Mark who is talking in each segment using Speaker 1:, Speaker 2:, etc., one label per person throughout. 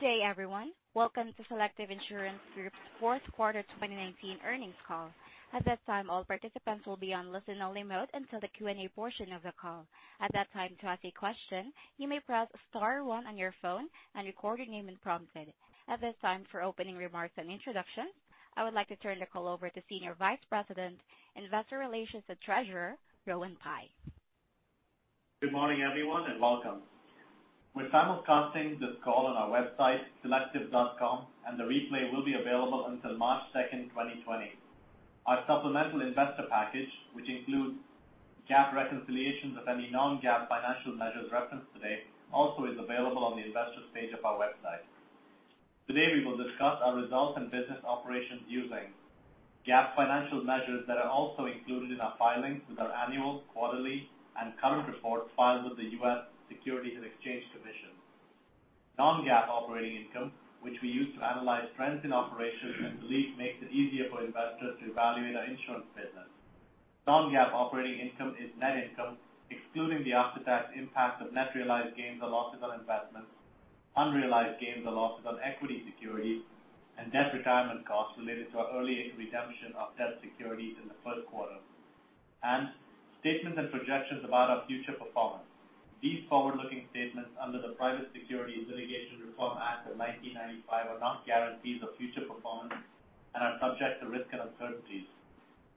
Speaker 1: Good day everyone. Welcome to Selective Insurance Group's fourth quarter 2019 earnings call. At this time, all participants will be on listen-only mode until the Q&A portion of the call. At that time, to ask a question, you may press star one on your phone and record your name when prompted. At this time, for opening remarks and introductions, I would like to turn the call over to Senior Vice President, Investor Relations and Treasurer, Rohan Pai.
Speaker 2: Good morning everyone, welcome. We're simulcasting this call on our website, selective.com, and the replay will be available until March second, 2020. Our supplemental investor package, which includes GAAP reconciliations of any non-GAAP financial measures referenced today, also is available on the investor's page of our website. Today, we will discuss our results and business operations using GAAP financial measures that are also included in our filings with our annual, quarterly, and current reports filed with the U.S. Securities and Exchange Commission. Non-GAAP operating income, which we use to analyze trends in operations, we believe makes it easier for investors to evaluate our insurance business. Non-GAAP operating income is net income, excluding the after-tax impact of net realized gains or losses on investments, unrealized gains or losses on equity securities, debt retirement costs related to our early redemption of debt securities in the first quarter, and statements and projections about our future performance. These forward-looking statements under the Private Securities Litigation Reform Act of 1995 are not guarantees of future performance and are subject to risk and uncertainties.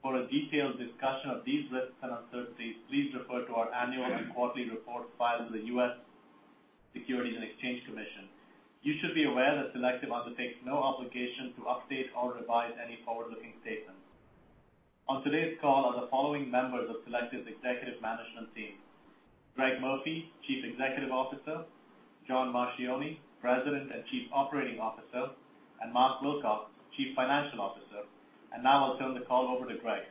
Speaker 2: For a detailed discussion of these risks and uncertainties, please refer to our annual and quarterly reports filed with the U.S. Securities and Exchange Commission. You should be aware that Selective undertakes no obligation to update or revise any forward-looking statements. On today's call are the following members of Selective's executive management team: Greg Murphy, Chief Executive Officer, John Marchioni, President and Chief Operating Officer, and Mark Wilcox, Chief Financial Officer. Now I'll turn the call over to Greg.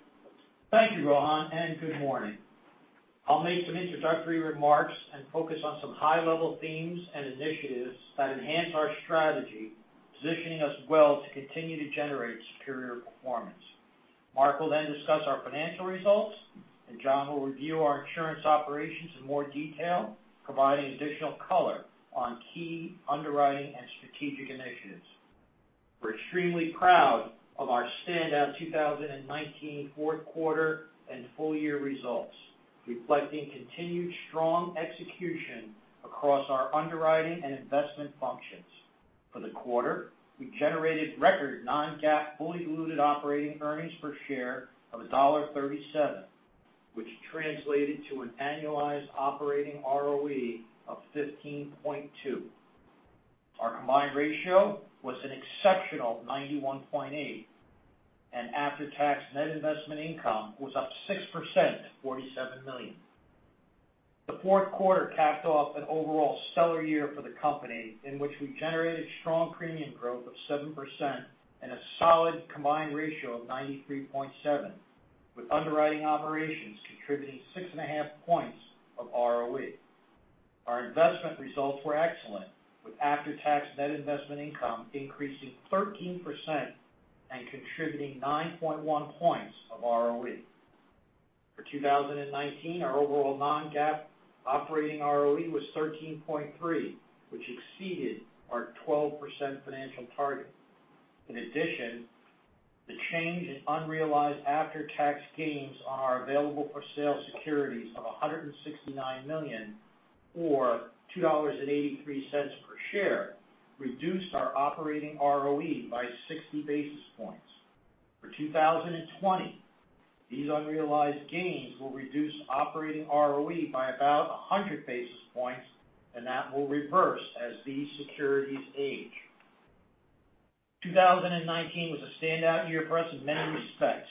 Speaker 3: Thank you, Rohan, and good morning. I'll make some introductory remarks and focus on some high-level themes and initiatives that enhance our strategy, positioning us well to continue to generate superior performance. Mark will then discuss our financial results, and John will review our insurance operations in more detail, providing additional color on key underwriting and strategic initiatives. We're extremely proud of our standout 2019 fourth quarter and full-year results, reflecting continued strong execution across our underwriting and investment functions. For the quarter, we generated record non-GAAP, fully diluted operating earnings per share of $1.37, which translated to an annualized operating ROE of 15.2%. Our combined ratio was an exceptional 91.8%, and after-tax net investment income was up 6% to $47 million. The fourth quarter capped off an overall stellar year for the company, in which we generated strong premium growth of 7% and a solid combined ratio of 93.7%, with underwriting operations contributing 6.5 points of ROE. Our investment results were excellent, with after-tax net investment income increasing 13% and contributing 9.1 points of ROE. For 2019, our overall non-GAAP operating ROE was 13.3%, which exceeded our 12% financial target. In addition, the change in unrealized after-tax gains on our available for sale securities of $169 million, or $2.83 per share, reduced our operating ROE by 60 basis points. For 2020, these unrealized gains will reduce operating ROE by about 100 basis points, and that will reverse as these securities age. 2019 was a standout year for us in many respects,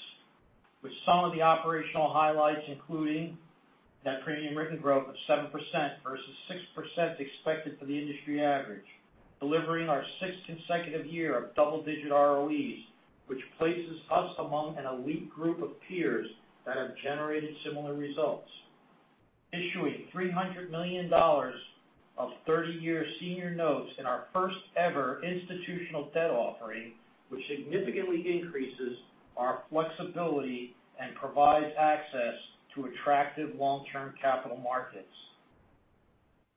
Speaker 3: with some of the operational highlights, including net premium written growth of 7% versus 6% expected for the industry average, delivering our sixth consecutive year of double-digit ROEs, which places us among an elite group of peers that have generated similar results. Issuing $300 million of 30-year senior notes in our first-ever institutional debt offering, which significantly increases our flexibility and provides access to attractive long-term capital markets.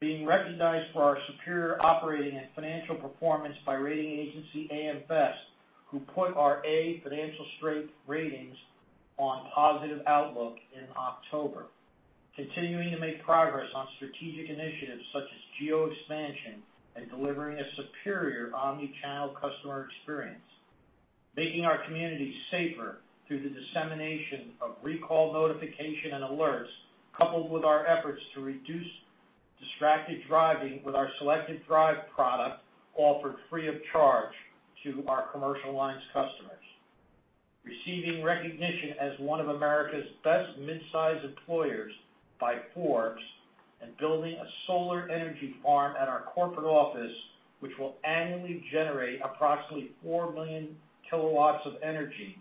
Speaker 3: Being recognized for our superior operating and financial performance by rating agency AM Best, who put our A financial strength ratings on positive outlook in October. Continuing to make progress on strategic initiatives such as geo expansion and delivering a superior omni-channel customer experience. Making our communities safer through the dissemination of recall notification and alerts, coupled with our efforts to reduce distracted driving with our Selective Drive product offered free of charge to our commercial alliance customers. Receiving recognition as one of America's best mid-size employers by Forbes, and building a solar energy farm at our corporate office, which will annually generate approximately 4 million kW of energy,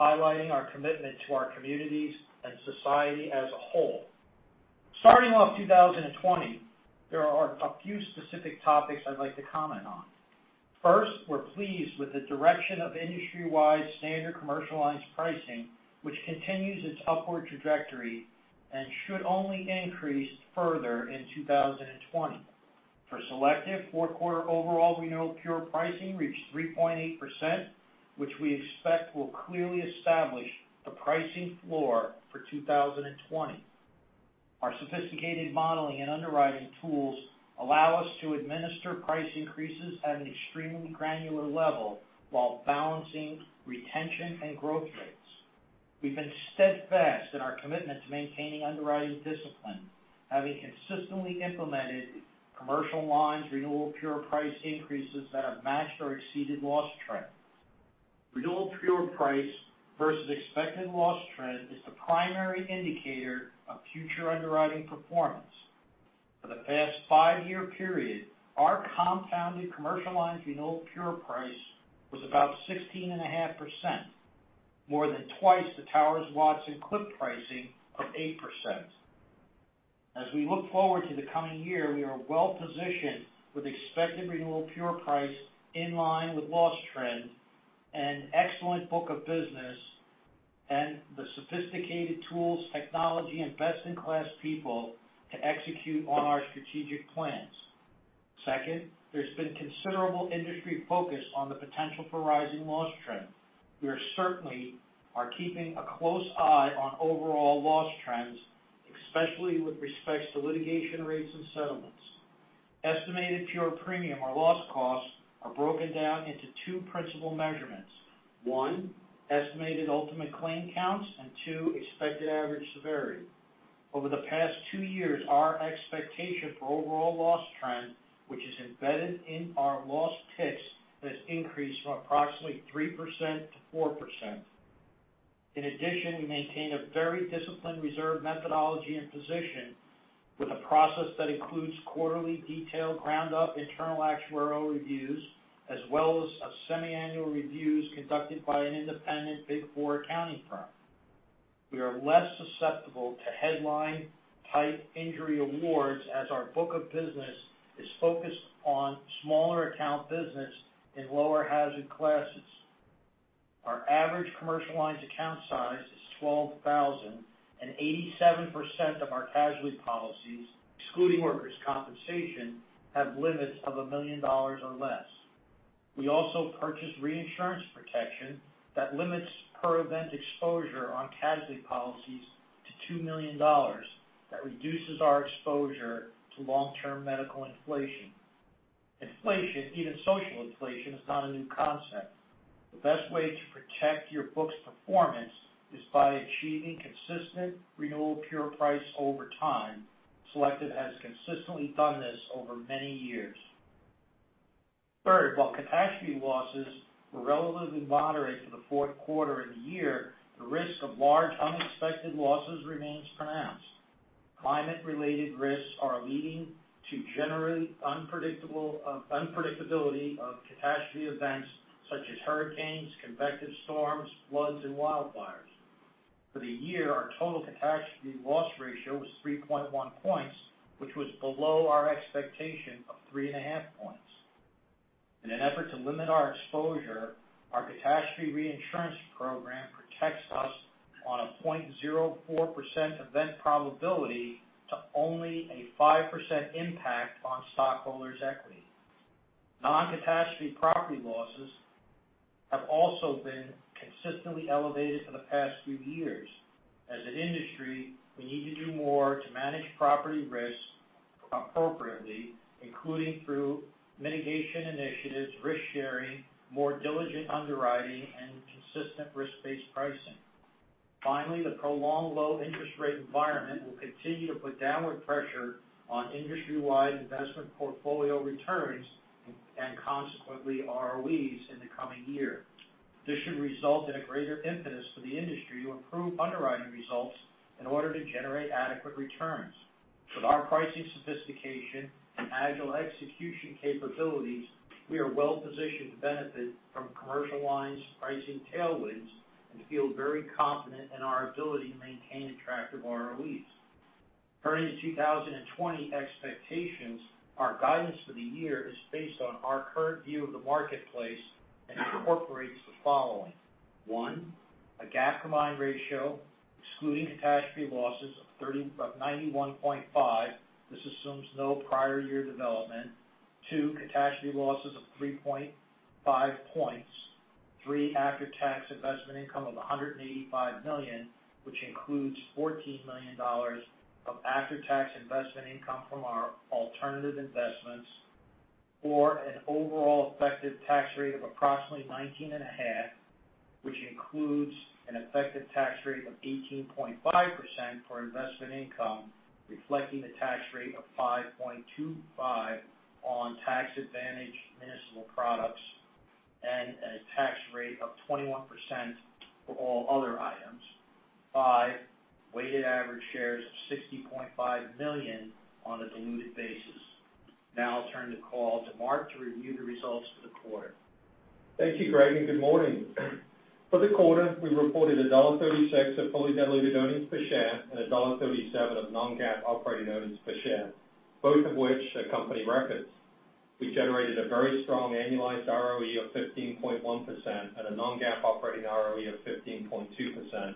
Speaker 3: highlighting our commitment to our communities and society as a whole. Starting off 2020, there are a few specific topics I'd like to comment on. First, we're pleased with the direction of industry-wide Standard Commercial Lines pricing, which continues its upward trajectory and should only increase further in 2020. For Selective, fourth quarter overall renewal pure pricing reached 3.8%, which we expect will clearly establish the pricing floor for 2020. Our sophisticated modeling and underwriting tools allow us to administer price increases at an extremely granular level while balancing retention and growth rates. We've been steadfast in our commitment to maintaining underwriting discipline, having consistently implemented commercial lines renewal pure price increases that have matched or exceeded loss trend. Renewal pure price versus expected loss trend is the primary indicator of future underwriting performance. For the past five-year period, our compounded commercial lines renewal pure price was about 16.5%, more than twice the Towers Watson CLIPS pricing of 8%. As we look forward to the coming year, we are well-positioned with expected renewal pure price in line with loss trend, an excellent book of business, and the sophisticated tools, technology, and best-in-class people to execute on our strategic plans. Second, there's been considerable industry focus on the potential for rising loss trend. We certainly are keeping a close eye on overall loss trends, especially with respect to litigation rates and settlements. Estimated pure premium or loss costs are broken down into two principal measurements: one, estimated ultimate claim counts, and two, expected average severity. Over the past two years, our expectation for overall loss trend, which is embedded in our loss picks, has increased from approximately 3% to 4%. In addition, we maintain a very disciplined reserve methodology and position with a process that includes quarterly detailed ground-up internal actuarial reviews, as well as semi-annual reviews conducted by an independent Big Four accounting firm. We are less susceptible to headline-type injury awards as our book of business is focused on smaller account business in lower hazard classes. Our average commercial lines account size is $12,000, and 87% of our casualty policies, excluding Workers' Compensation, have limits of $1 million or less. We also purchase reinsurance protection that limits per-event exposure on casualty policies to $2 million. That reduces our exposure to long-term medical inflation. Inflation, even social inflation, is not a new concept. The best way to protect your book's performance is by achieving consistent renewal pure price over time. Selective has consistently done this over many years. Third, while catastrophe losses were relatively moderate for the fourth quarter and year, the risk of large, unexpected losses remains pronounced. Climate-related risks are leading to greater unpredictability of catastrophe events such as hurricanes, convective storms, floods, and wildfires. For the year, our total catastrophe loss ratio was 3.1 points, which was below our expectation of 3.5 points. In an effort to limit our exposure, our catastrophe reinsurance program protects us on a 0.04% event probability to only a 5% impact on stockholders' equity. Non-catastrophe property losses have also been consistently elevated for the past few years. As an industry, we need to do more to manage property risks appropriately, including through mitigation initiatives, risk-sharing, more diligent underwriting, and consistent risk-based pricing. Finally, the prolonged low-interest rate environment will continue to put downward pressure on industry-wide investment portfolio returns and consequently ROEs in the coming year. This should result in a greater impetus for the industry to improve underwriting results in order to generate adequate returns. With our pricing sophistication and agile execution capabilities, we are well-positioned to benefit from commercial lines pricing tailwinds and feel very confident in our ability to maintain attractive ROEs. Turning to 2020 expectations, our guidance for the year is based on our current view of the marketplace and incorporates the following: one, a GAAP combined ratio, excluding catastrophe losses of 91.5%. This assumes no prior year development. Two, catastrophe losses of 3.5 points. Three, after-tax investment income of $185 million, which includes $14 million of after-tax investment income from our alternative investments. Four, an overall effective tax rate of approximately 19.5%, which includes an effective tax rate of 18.5% for investment income, reflecting the tax rate of 5.25% on tax-advantaged municipal products, and a tax rate of 21% for all other items. Five, weighted average shares of 60.5 million on a diluted basis. I'll turn the call to Mark to review the results for the quarter.
Speaker 4: Thank you, Greg, and good morning. For the quarter, we reported $1.36 of fully diluted earnings per share and $1.37 of non-GAAP operating earnings per share, both of which are company records. We generated a very strong annualized ROE of 15.1% and a non-GAAP operating ROE of 15.2%.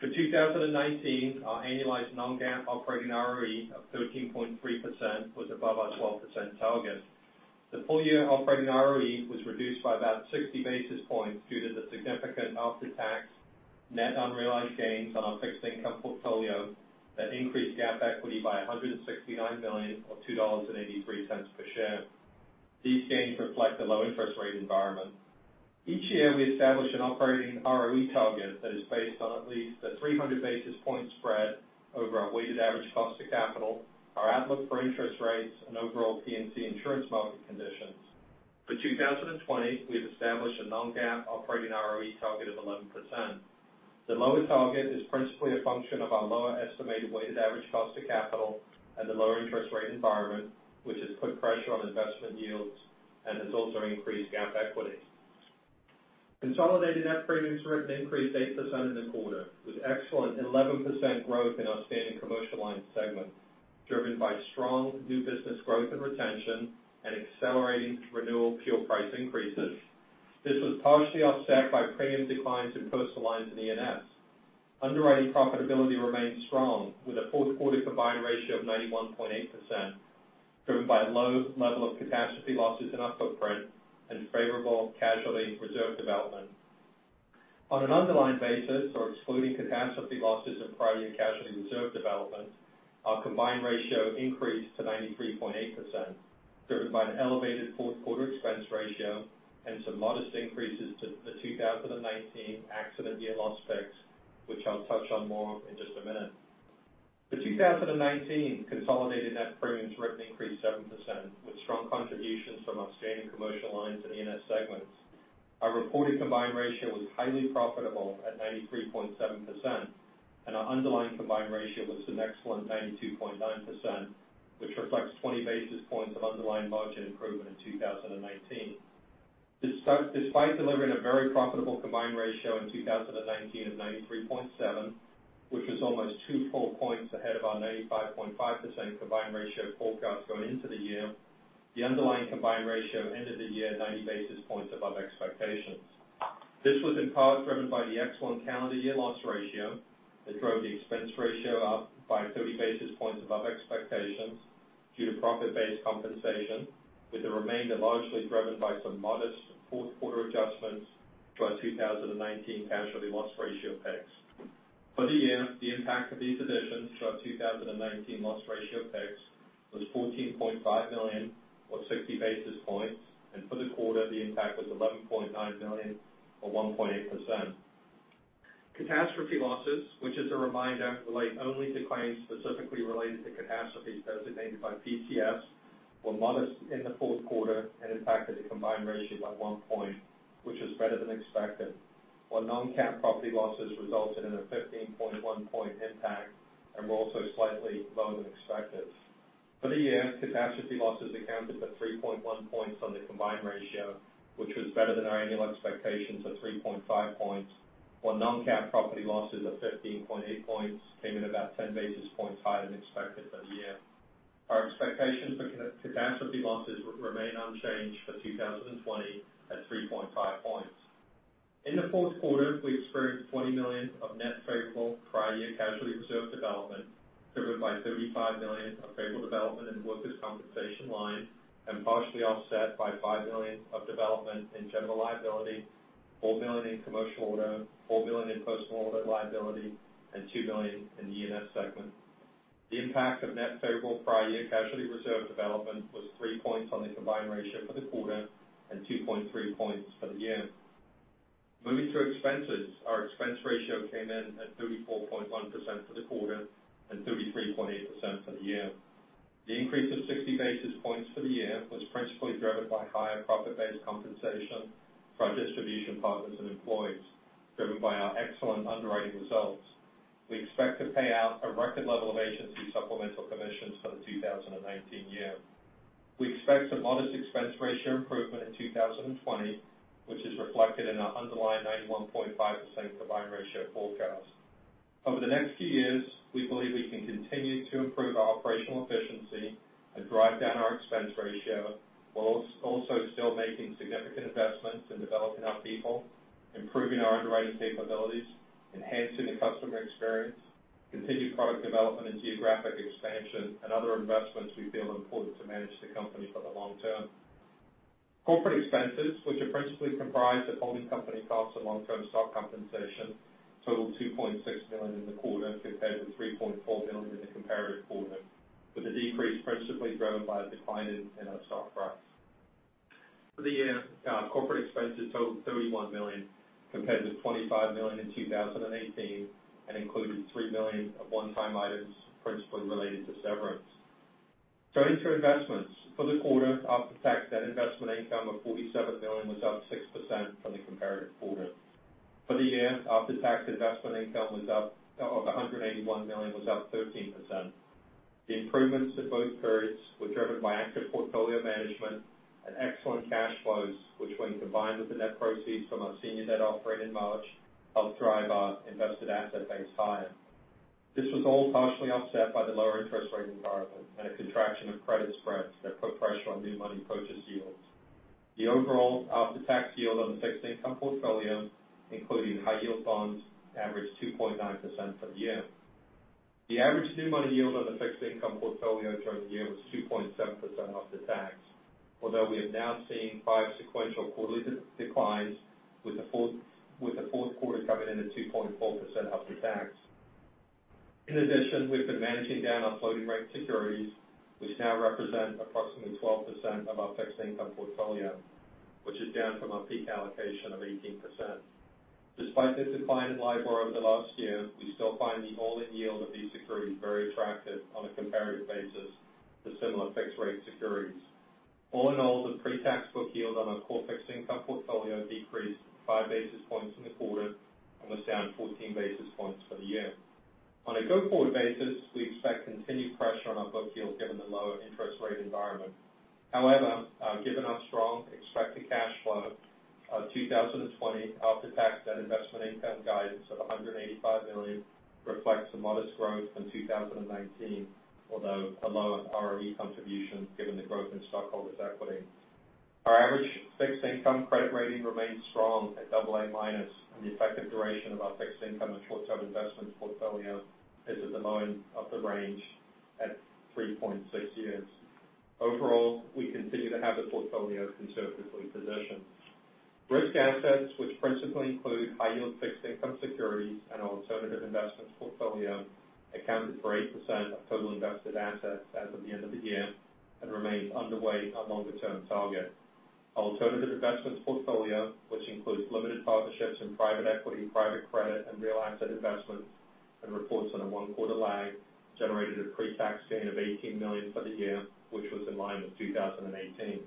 Speaker 4: For 2019, our annualized non-GAAP operating ROE of 13.3% was above our 12% target. The full-year operating ROE was reduced by about 60 basis points due to the significant after-tax net unrealized gains on our fixed income portfolio that increased GAAP equity by $169 million or $2.83 per share. These gains reflect the low interest rate environment. Each year, we establish an operating ROE target that is based on at least a 300 basis point spread over our weighted average cost of capital, our outlook for interest rates, and overall P&C insurance market conditions. For 2020, we have established a non-GAAP operating ROE target of 11%. The lower target is principally a function of our lower estimated weighted average cost of capital and the lower interest rate environment, which has put pressure on investment yields and has also increased GAAP equity. Consolidated net premiums written increased 8% in the quarter, with excellent 11% growth in our Standard Commercial Lines segment, driven by strong new business growth and retention and accelerating renewal pure price increases. This was partially offset by premium declines in Personal Lines and E&S. Underwriting profitability remains strong, with a fourth quarter combined ratio of 91.8%, driven by low level of catastrophe losses in our footprint and favorable casualty reserve development. On an underlying basis or excluding catastrophe losses and prior year casualty reserve development, our combined ratio increased to 93.8%, driven by an elevated fourth-quarter expense ratio and some modest increases to the 2019 accident year loss picks, which I'll touch on more in just a minute. For 2019, consolidated net premiums written increased 7%, with strong contributions from our Standard Commercial Lines and E&S segments. Our reported combined ratio was highly profitable at 93.7%, and our underlying combined ratio was an excellent 92.9%, which reflects 20 basis points of underlying margin improvement in 2019. Despite delivering a very profitable combined ratio in 2019 of 93.7%, which was almost two full points ahead of our 95.5% combined ratio forecast going into the year, the underlying combined ratio ended the year 90 basis points above expectations. This was in part driven by the excellent calendar year loss ratio that drove the expense ratio up by 30 basis points above expectations due to profit-based compensation, with the remainder largely driven by some modest fourth-quarter adjustments to our 2019 casualty loss ratio picks. For the year, the impact of these additions to our 2019 loss ratio picks was $14.5 million or 60 basis points, and for the quarter, the impact was $11.9 million or 1.8%. Catastrophe losses, which as a reminder, relate only to claims specifically related to catastrophes designated by PCS, were modest in the fourth quarter and impacted the combined ratio by one point, which was better than expected. While non-CAT property losses resulted in a 15.1-point impact and were also slightly lower than expected. For the year, catastrophe losses accounted for 3.1 points on the combined ratio, which was better than our annual expectations of 3.5 points, while non-CAT property losses of 15.8 points came in about 10 basis points higher than expected for the year. Our expectations for catastrophe losses remain unchanged for 2020 at 3.5 points. In the fourth quarter, we experienced $40 million of net favorable prior year casualty reserve development, driven by $35 million of favorable development in the Workers' Compensation line and partially offset by $5 million of development in General Liability, $4 million in Commercial Auto, $4 million in personal auto liability, and $2 million in the E&S segment. The impact of net favorable prior year casualty reserve development was three points on the combined ratio for the quarter and 2.3 points for the year. Moving to expenses, our expense ratio came in at 34.1% for the quarter and 33.8% for the year. The increase of 60 basis points for the year was principally driven by higher profit-based compensation for our distribution partners and employees, driven by our excellent underwriting results. We expect to pay out a record level of agency supplemental commissions for the 2019 year. We expect a modest expense ratio improvement in 2020, which is reflected in our underlying 91.5% combined ratio forecast. Over the next few years, we believe we can continue to improve our operational efficiency and drive down our expense ratio, while also still making significant investments in developing our people, improving our underwriting capabilities, enhancing the customer experience, continued product development and geographic expansion, and other investments we feel are important to manage the company for the long term. Corporate expenses, which are principally comprised of holding company costs and long-term stock compensation, totaled $2.6 million in the quarter compared with $3.4 million in the comparative quarter, with the decrease principally driven by a decline in our stock price. For the year, our corporate expenses totaled $31 million, compared with $25 million in 2018 and included $3 million of one-time items principally related to severance. Turning to investments. For the quarter, after-tax net investment income of $47 million was up 6% from the comparative quarter. For the year, after-tax investment income of $181 million was up 13%. The improvements in both periods were driven by active portfolio management and excellent cash flows, which when combined with the net proceeds from our senior debt offering in March, helped drive our invested asset base higher. This was all partially offset by the lower interest rate environment and a contraction of credit spreads that put pressure on new money purchase yields. The overall after-tax yield on the fixed income portfolio, including high yield bonds, averaged 2.9% for the year. The average new money yield on the fixed income portfolio during the year was 2.7% after tax, although we are now seeing five sequential quarterly declines with the fourth quarter coming in at 2.4% after tax. In addition, we've been managing down our floating rate securities, which now represent approximately 12% of our fixed income portfolio, which is down from our peak allocation of 18%. Despite this decline in LIBOR over the last year, we still find the all-in yield of these securities very attractive on a comparative basis to similar fixed rate securities. All in all, the pre-tax book yield on our core fixed income portfolio decreased five basis points in the quarter and was down 14 basis points for the year. On a go-forward basis, we expect continued pressure on our book yield given the low interest rate environment. However, given our strong expected cash flow, our 2020 after-tax debt investment income guidance of $185 million reflects a modest growth in 2019, although a lower ROE contribution, given the growth in stockholders' equity. Our average fixed income credit rating remains strong at double A minus, and the effective duration of our fixed income and short-term investments portfolio is at the low end of the range at 3.6 years. Overall, we continue to have the portfolio conservatively positioned. Risk assets, which principally include high yield fixed income securities and alternative investments portfolio, accounted for 8% of total invested assets as of the end of the year and remains underweight our longer-term target. Alternative investments portfolio, which includes limited partnerships in private equity, private credit, and real asset investments, and reports on a one-quarter lag, generated a pre-tax gain of $18 million for the year, which was in line with 2018.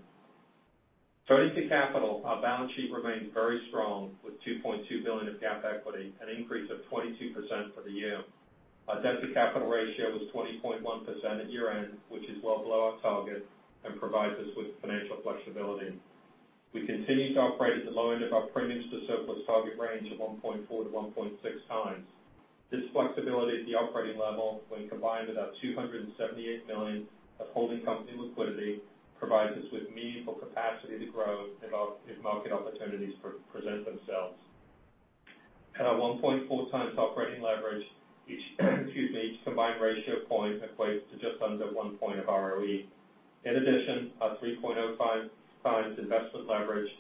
Speaker 4: Turning to capital, our balance sheet remains very strong with $2.2 billion of GAAP equity, an increase of 22% for the year. Our debt-to-capital ratio was 20.1% at year end, which is well below our target and provides us with financial flexibility. We continue to operate at the low end of our premiums to surplus target range of 1.4 to 1.6 times. This flexibility at the operating level, when combined with our $278 million of holding company liquidity, provides us with meaningful capacity to grow if market opportunities present themselves. At a 1.4 times operating leverage, each combined ratio point equates to just under one point of ROE. In addition, our 3.05 times investment leverage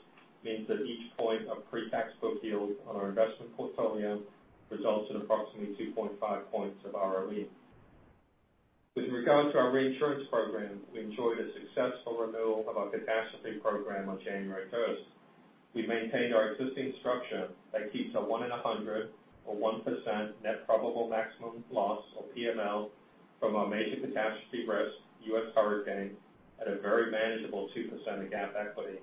Speaker 4: means that each point of pre-tax book yield on our investment portfolio results in approximately 2.5 points of ROE. With regard to our reinsurance program, we enjoyed a successful renewal of our catastrophe program on January 1st. We maintained our existing structure that keeps a one in 100 or 1% net probable maximum loss or PML from our major catastrophe risk, U.S. hurricane, at a very manageable 2% of GAAP equity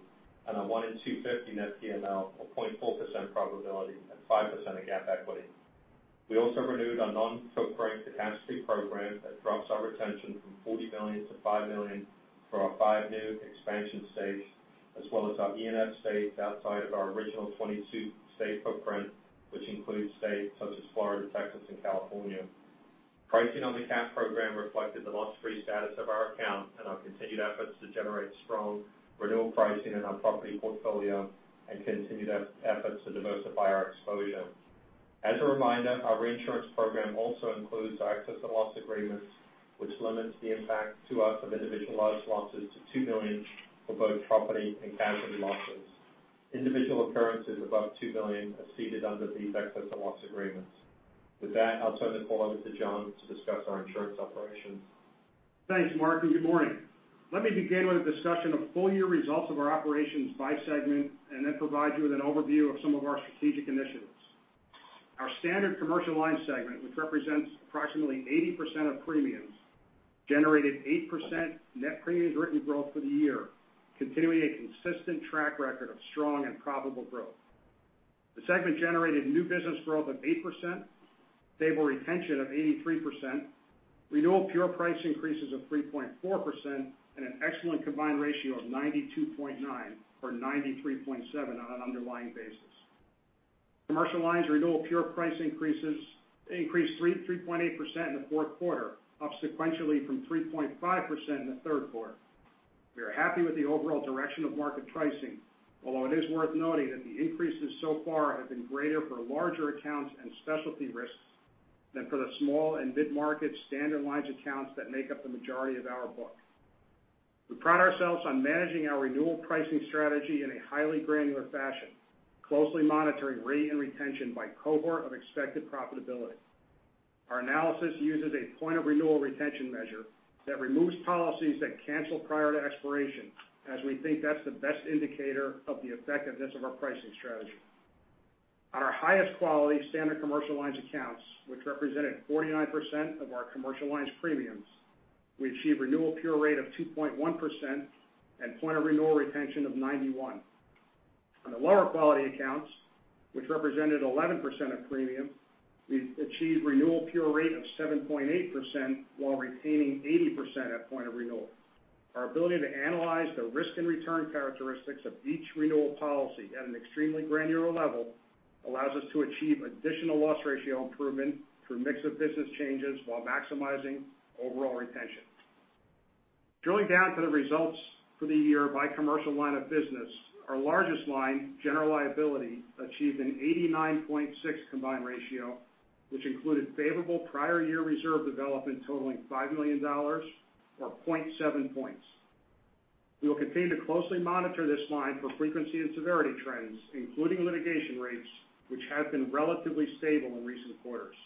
Speaker 4: and a one in 250 net PML of 0.4% probability and 5% of GAAP equity. We also renewed our non-footprint catastrophe program that drops our retention from $40 million to $5 million for our five new expansion states, as well as our E&S states outside of our original 22 state footprint, which includes states such as Florida, Texas, and California. Pricing on the cat program reflected the loss-free status of our account and our continued efforts to generate strong renewal pricing in our property portfolio and continued efforts to diversify our exposure. As a reminder, our reinsurance program also includes our excess of loss agreements, which limits the impact to us of individualized losses to $2 million for both property and casualty losses. Individual occurrences above $2 million are ceded under these excess of loss agreements. With that, I'll turn the call over to John to discuss our insurance operations.
Speaker 5: Thanks, Mark. Good morning. Let me begin with a discussion of full year results of our operations by segment and then provide you with an overview of some of our strategic initiatives. Our Standard Commercial Lines segment, which represents approximately 80% of premiums, generated 8% net premiums written growth for the year, continuing a consistent track record of strong and profitable growth. The segment generated new business growth of 8%, stable retention of 83%, renewal pure price increases of 3.4%, and an excellent combined ratio of 92.9 or 93.7 on an underlying basis. Commercial Lines renewal pure price increased 3.8% in the fourth quarter, up sequentially from 3.5% in the third quarter. We are happy with the overall direction of market pricing, although it is worth noting that the increases so far have been greater for larger accounts and specialty risks than for the small and mid-market standard lines accounts that make up the majority of our book. We pride ourselves on managing our renewal pricing strategy in a highly granular fashion, closely monitoring rate and retention by cohort of expected profitability. Our analysis uses a point of renewal retention measure that removes policies that cancel prior to expiration, as we think that's the best indicator of the effectiveness of our pricing strategy. On our highest quality Standard Commercial Lines accounts, which represented 49% of our Commercial Lines premiums, we achieved renewal pure rate of 2.1% and point of renewal retention of 91%. On the lower quality accounts, which represented 11% of premium, we achieved renewal pure rate of 7.8%, while retaining 80% at point of renewal. Our ability to analyze the risk and return characteristics of each renewal policy at an extremely granular level allows us to achieve additional loss ratio improvement through mix of business changes while maximizing overall retention. Drilling down to the results for the year by Commercial Lines of business, our largest line, General Liability, achieved an 89.6 combined ratio, which included favorable prior year reserve development totaling $5 million or 0.7 points. We will continue to closely monitor this line for frequency and severity trends, including litigation rates, which have been relatively stable in recent quarters.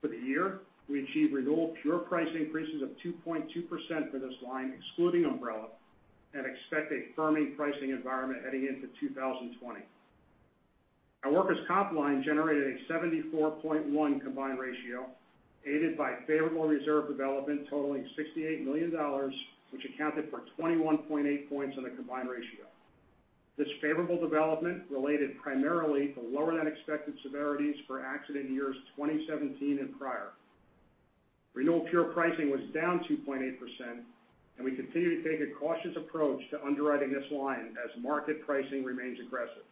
Speaker 5: For the year, we achieved renewal pure price increases of 2.2% for this line, excluding umbrella, and expect a firming pricing environment heading into 2020. Our workers' comp line generated a 74.1 combined ratio, aided by favorable reserve development totaling $68 million, which accounted for 21.8 points on the combined ratio. This favorable development related primarily to lower than expected severities for accident years 2017 and prior. Renewal pure pricing was down 2.8%, and we continue to take a cautious approach to underwriting this line as market pricing remains aggressive.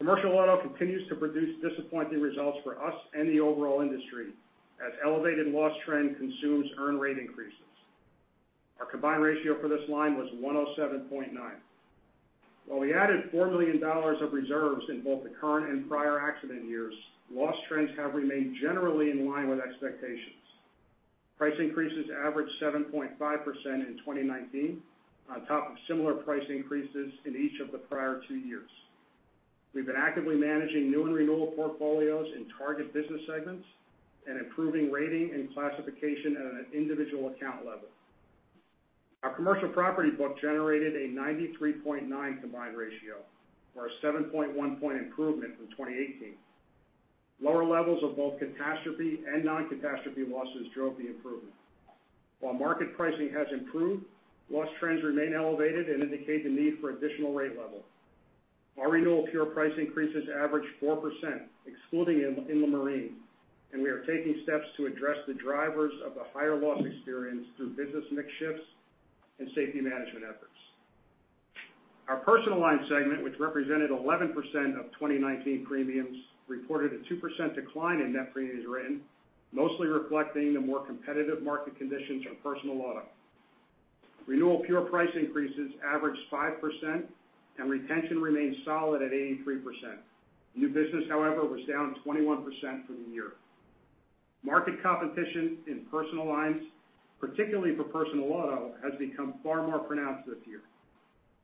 Speaker 5: Commercial Auto continues to produce disappointing results for us and the overall industry as elevated loss trend consumes earn rate increases. Our combined ratio for this line was 107.9. While we added $4 million of reserves in both the current and prior accident years, loss trends have remained generally in line with expectations. Price increases averaged 7.5% in 2019, on top of similar price increases in each of the prior two years. We've been actively managing new and renewal portfolios in target business segments and improving rating and classification at an individual account level. Our Commercial Property book generated a 93.9 combined ratio or a 7.1-point improvement from 2018. Lower levels of both catastrophe and non-catastrophe losses drove the improvement. While market pricing has improved, loss trends remain elevated and indicate the need for additional rate level. Our renewal pure price increases averaged 4%, excluding inland marine, and we are taking steps to address the drivers of the higher loss experience through business mix shifts and safety management efforts. Our Personal Lines segment, which represented 11% of 2019 premiums, reported a 2% decline in net premiums written, mostly reflecting the more competitive market conditions for personal auto. Renewal pure price increases averaged 5%, and retention remains solid at 83%. New business, however, was down 21% for the year. Market competition in Personal Lines, particularly for personal auto, has become far more pronounced this year.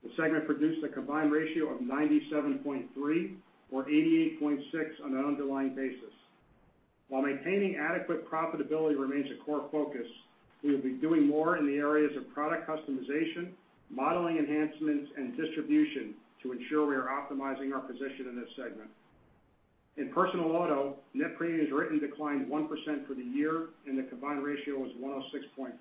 Speaker 5: The segment produced a combined ratio of 97.3 or 88.6 on an underlying basis. While maintaining adequate profitability remains a core focus, we will be doing more in the areas of product customization, modeling enhancements, and distribution to ensure we are optimizing our position in this segment. In personal auto, net premiums written declined 1% for the year, and the combined ratio was 106.4.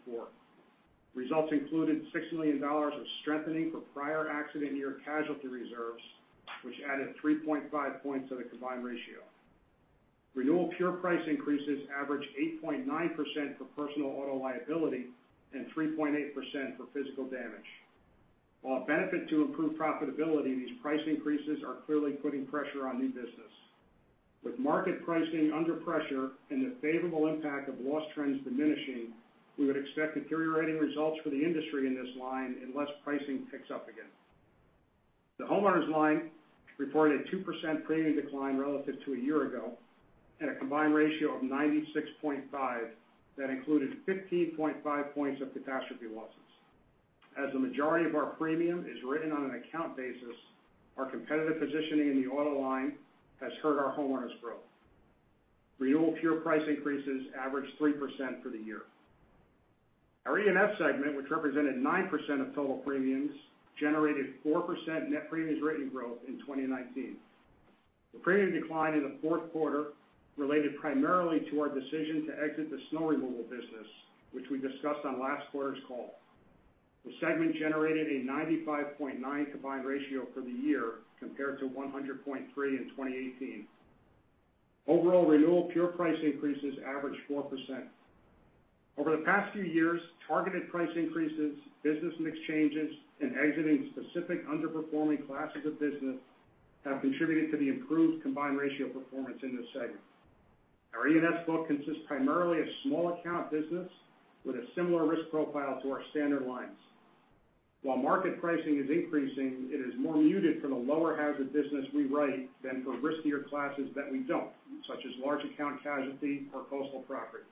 Speaker 5: Results included $6 million of strengthening for prior accident year casualty reserves, which added 3.5 points to the combined ratio. Renewal pure price increases averaged 8.9% for personal auto liability and 3.8% for physical damage. While a benefit to improve profitability, these price increases are clearly putting pressure on new business. With market pricing under pressure and the favorable impact of loss trends diminishing, we would expect deteriorating results for the industry in this line unless pricing picks up again. The homeowners line reported a 2% premium decline relative to a year ago at a combined ratio of 96.5 that included 15.5 points of catastrophe losses. As the majority of our premium is written on an account basis, our competitive positioning in the auto line has hurt our homeowners growth. Renewal pure price increases averaged 3% for the year. Our E&S segment, which represented 9% of total premiums, generated 4% net premiums written growth in 2019. The premium decline in the fourth quarter related primarily to our decision to exit the snow removal business, which we discussed on last quarter's call. The segment generated a 95.9 combined ratio for the year compared to 100.3 in 2018. Overall renewal pure price increases averaged 4%. Over the past few years, targeted price increases, business mix changes, and exiting specific underperforming classes of business have contributed to the improved combined ratio performance in this segment. Our E&S book consists primarily of small account business with a similar risk profile to our standard lines. While market pricing is increasing, it is more muted for the lower hazard business we write than for riskier classes that we don't, such as large account casualty or coastal property.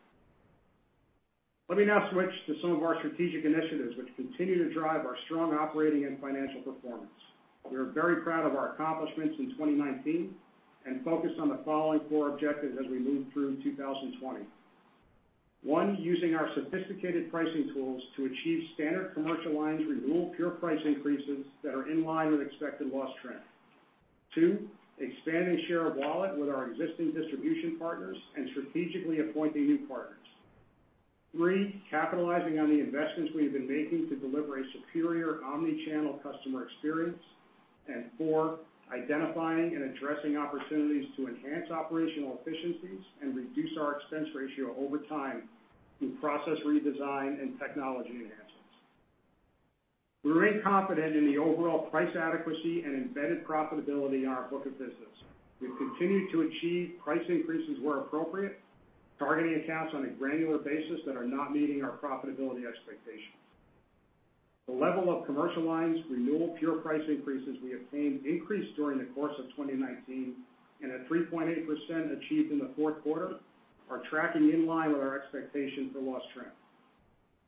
Speaker 5: Let me now switch to some of our strategic initiatives, which continue to drive our strong operating and financial performance. We are very proud of our accomplishments in 2019 and focused on the following core objectives as we move through 2020. One, using our sophisticated pricing tools to achieve Standard Commercial Lines renewal pure price increases that are in line with expected loss trend. Two, expanding share of wallet with our existing distribution partners and strategically appointing new partners. Three, capitalizing on the investments we have been making to deliver a superior omni-channel customer experience. Four, identifying and addressing opportunities to enhance operational efficiencies and reduce our expense ratio over time through process redesign and technology enhancements. We remain confident in the overall price adequacy and embedded profitability in our book of business. We've continued to achieve price increases where appropriate, targeting accounts on a granular basis that are not meeting our profitability expectations. The level of commercial lines renewal pure price increases we obtained increased during the course of 2019, and at 3.8% achieved in the fourth quarter are tracking in line with our expectation for loss trend.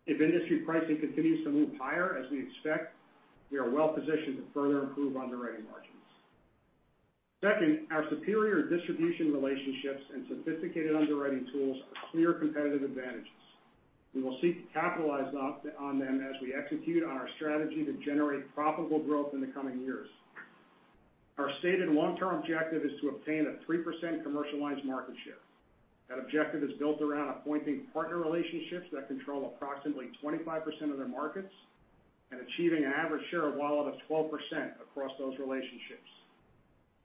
Speaker 5: If industry pricing continues to move higher, as we expect, we are well positioned to further improve underwriting margins. Second, our superior distribution relationships and sophisticated underwriting tools are clear competitive advantages. We will seek to capitalize on them as we execute on our strategy to generate profitable growth in the coming years. Our stated long-term objective is to obtain a 3% commercial lines market share. That objective is built around appointing partner relationships that control approximately 25% of their markets and achieving an average share of wallet of 12% across those relationships.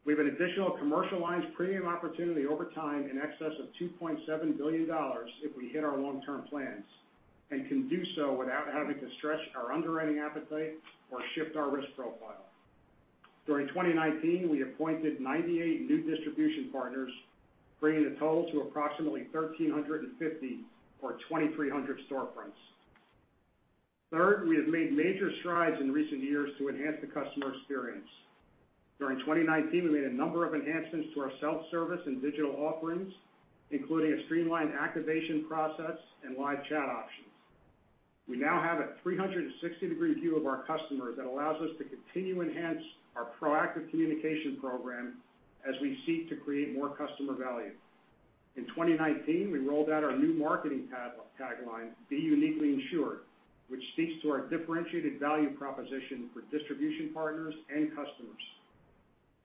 Speaker 5: We have an additional commercial lines premium opportunity over time in excess of $2.7 billion if we hit our long-term plans and can do so without having to stretch our underwriting appetite or shift our risk profile. During 2019, we appointed 98 new distribution partners, bringing the total to approximately 1,350 or 2,300 storefronts. Third, we have made major strides in recent years to enhance the customer experience. During 2019, we made a number of enhancements to our self-service and digital offerings, including a streamlined activation process and live chat options. We now have a 360-degree view of our customer that allows us to continue to enhance our proactive communication program as we seek to create more customer value. In 2019, we rolled out our new marketing tagline, Be Uniquely Insured, which speaks to our differentiated value proposition for distribution partners and customers.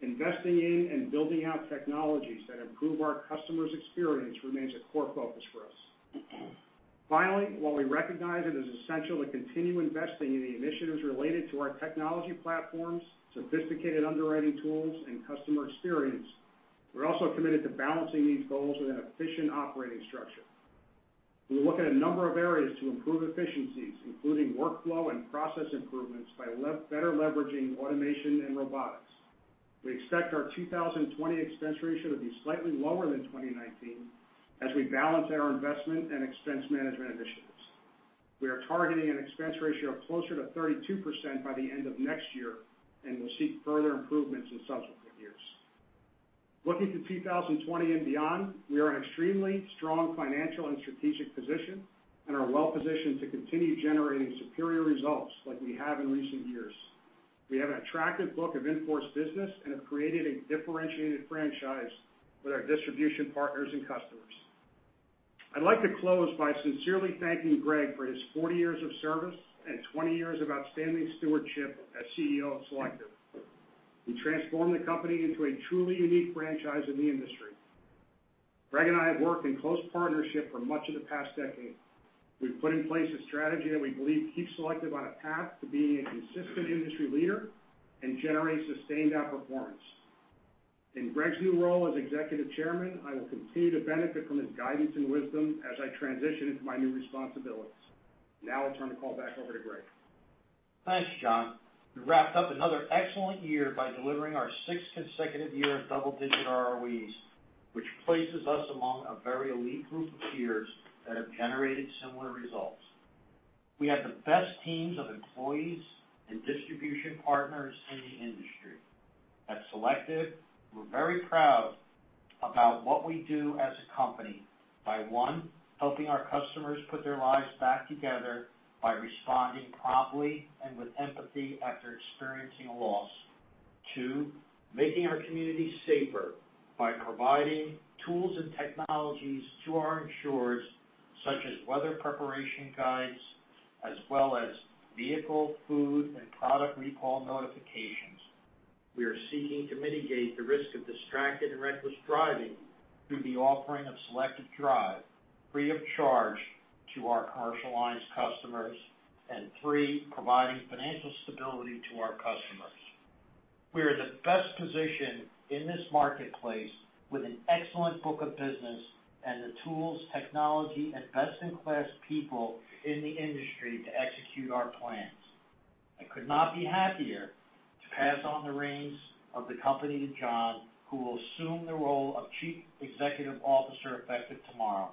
Speaker 5: Investing in and building out technologies that improve our customer's experience remains a core focus for us. Finally, while we recognize it is essential to continue investing in the initiatives related to our technology platforms, sophisticated underwriting tools, and customer experience, we're also committed to balancing these goals with an efficient operating structure. We will look at a number of areas to improve efficiencies, including workflow and process improvements by better leveraging automation and robotics. We expect our 2020 expense ratio to be slightly lower than 2019 as we balance our investment and expense management initiatives. We are targeting an expense ratio of closer to 32% by the end of next year. Will seek further improvements in subsequent years. Looking to 2020 and beyond, we are in extremely strong financial and strategic position and are well positioned to continue generating superior results like we have in recent years. We have an attractive book of in-force business and have created a differentiated franchise with our distribution partners and customers. I'd like to close by sincerely thanking Greg for his 40 years of service and 20 years of outstanding stewardship as CEO of Selective. He transformed the company into a truly unique franchise in the industry. Greg and I have worked in close partnership for much of the past decade. We've put in place a strategy that we believe keeps Selective on a path to being a consistent industry leader and generate sustained outperformance. In Greg's new role as Executive Chairman, I will continue to benefit from his guidance and wisdom as I transition into my new responsibilities. I'll turn the call back over to Greg.
Speaker 3: Thanks, John. We wrapped up another excellent year by delivering our sixth consecutive year of double-digit ROEs, which places us among a very elite group of peers that have generated similar results. We have the best teams of employees and distribution partners in the industry. At Selective, we're very proud about what we do as a company by, one, helping our customers put their lives back together by responding promptly and with empathy after experiencing a loss. Two, making our community safer by providing tools and technologies to our insurers, such as weather preparation guides, as well as vehicle, food, and product recall notifications. We are seeking to mitigate the risk of distracted and reckless driving through the offering of Selective Drive free of charge to our Commercial Lines customers. Three, providing financial stability to our customers. We are the best positioned in this marketplace with an excellent book of business and the tools, technology, and best-in-class people in the industry to execute our plans. I could not be happier to pass on the reins of the company to John, who will assume the role of Chief Executive Officer effective tomorrow.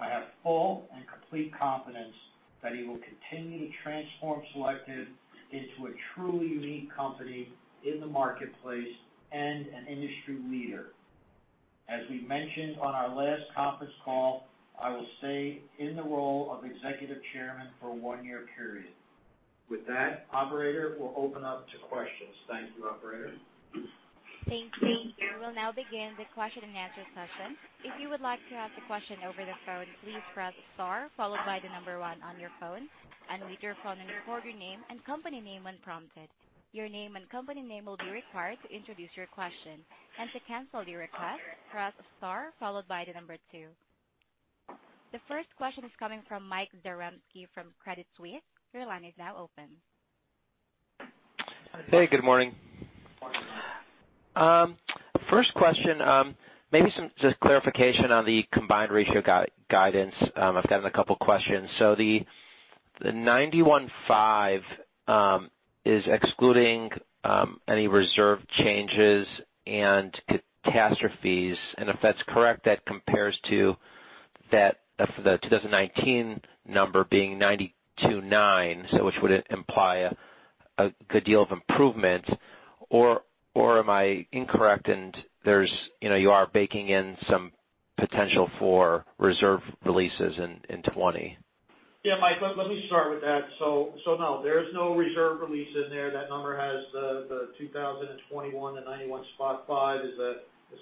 Speaker 3: I have full and complete confidence that he will continue to transform Selective into a truly unique company in the marketplace and an industry leader. As we mentioned on our last conference call, I will stay in the role of Executive Chairman for a one-year period. Operator, we'll open up to questions. Thank you, operator.
Speaker 1: Thank you. We will now begin the question and answer session. If you would like to ask a question over the phone, please press star followed by the number 1 on your phone and wait your phone and record your name and company name when prompted. Your name and company name will be required to introduce your question. To cancel the request, press star followed by the number 2. The first question is coming from Michael Zaremski from Credit Suisse. Your line is now open.
Speaker 6: Hey, good morning.
Speaker 3: Good morning.
Speaker 6: First question, maybe some just clarification on the combined ratio guidance. I've gotten a couple questions. The 91.5 is excluding any reserve changes and catastrophes, and if that's correct, that compares to the 2019 number being 92.9, which would imply a good deal of improvement, or am I incorrect and you are baking in some potential for reserve releases in 2020?
Speaker 3: Yeah, Mike, let me start with that. No, there's no reserve release in there. That number has the 2021 to 91.5% is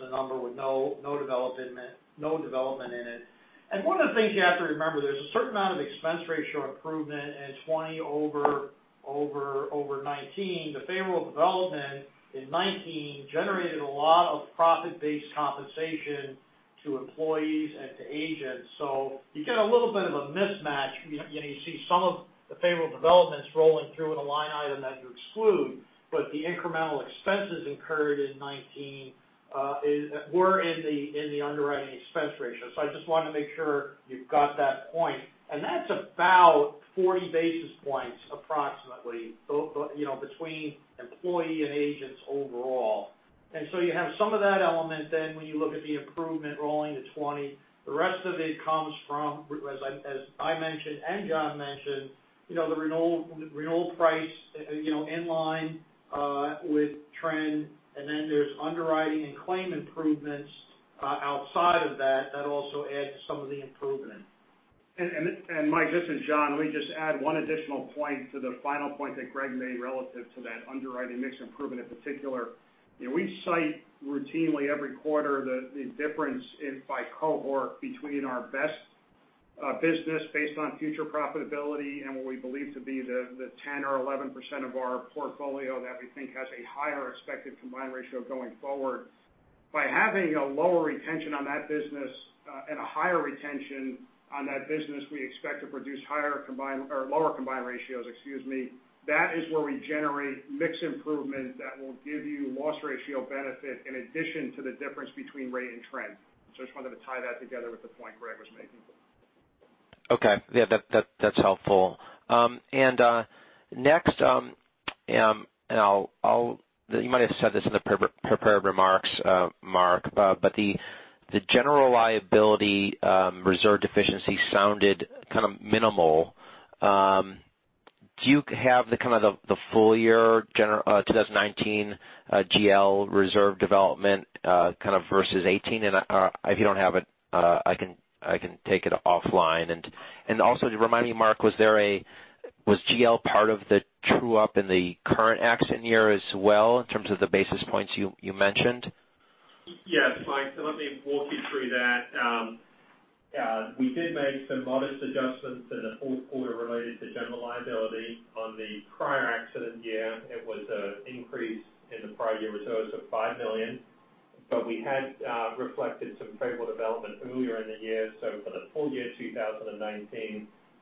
Speaker 3: a number with no development in it. One of the things you have to remember, there's a certain amount of expense ratio improvement in 2020 over 2019. The favorable development in 2019 generated a lot of profit-based compensation to employees and to agents. You get a little bit of a mismatch. You see some of the favorable developments rolling through in a line item that you exclude, but the incremental expenses incurred in 2019 were in the underwriting expense ratio. I just want to make sure you've got that point. That's about 40 basis points approximately, between employee and agents overall. You have some of that element then when you look at the improvement rolling to 2020. The rest of it comes from, as I mentioned and John mentioned, the renewal price in line with trend, then there's underwriting and claim improvements outside of that also add to some of the improvement.
Speaker 5: Mike, this is John. Let me just add one additional point to the final point that Greg made relative to that underwriting mix improvement in particular. We cite routinely every quarter the difference by cohort between our best business based on future profitability and what we believe to be the 10% or 11% of our portfolio that we think has a higher expected combined ratio going forward. By having a lower retention on that business and a higher retention on that business, we expect to produce lower combined ratios. That is where we generate mix improvement that will give you loss ratio benefit in addition to the difference between rate and trend. I just wanted to tie that together with the point Greg was making.
Speaker 6: Okay. Yeah, that's helpful. Next, you might have said this in the prepared remarks, Mark, but the General Liability reserve deficiency sounded kind of minimal. Do you have the full year 2019 GL reserve development versus 2018? If you don't have it, I can take it offline. Also remind me, Mark, was GL part of the true-up in the current accident year as well, in terms of the basis points you mentioned?
Speaker 4: Yes, Mike, let me walk you through that. We did make some modest adjustments in the fourth quarter related to General Liability. On the prior accident year, it was an increase in the prior year reserves of $5 million. We had reflected some favorable development earlier in the year. For the full year 2019,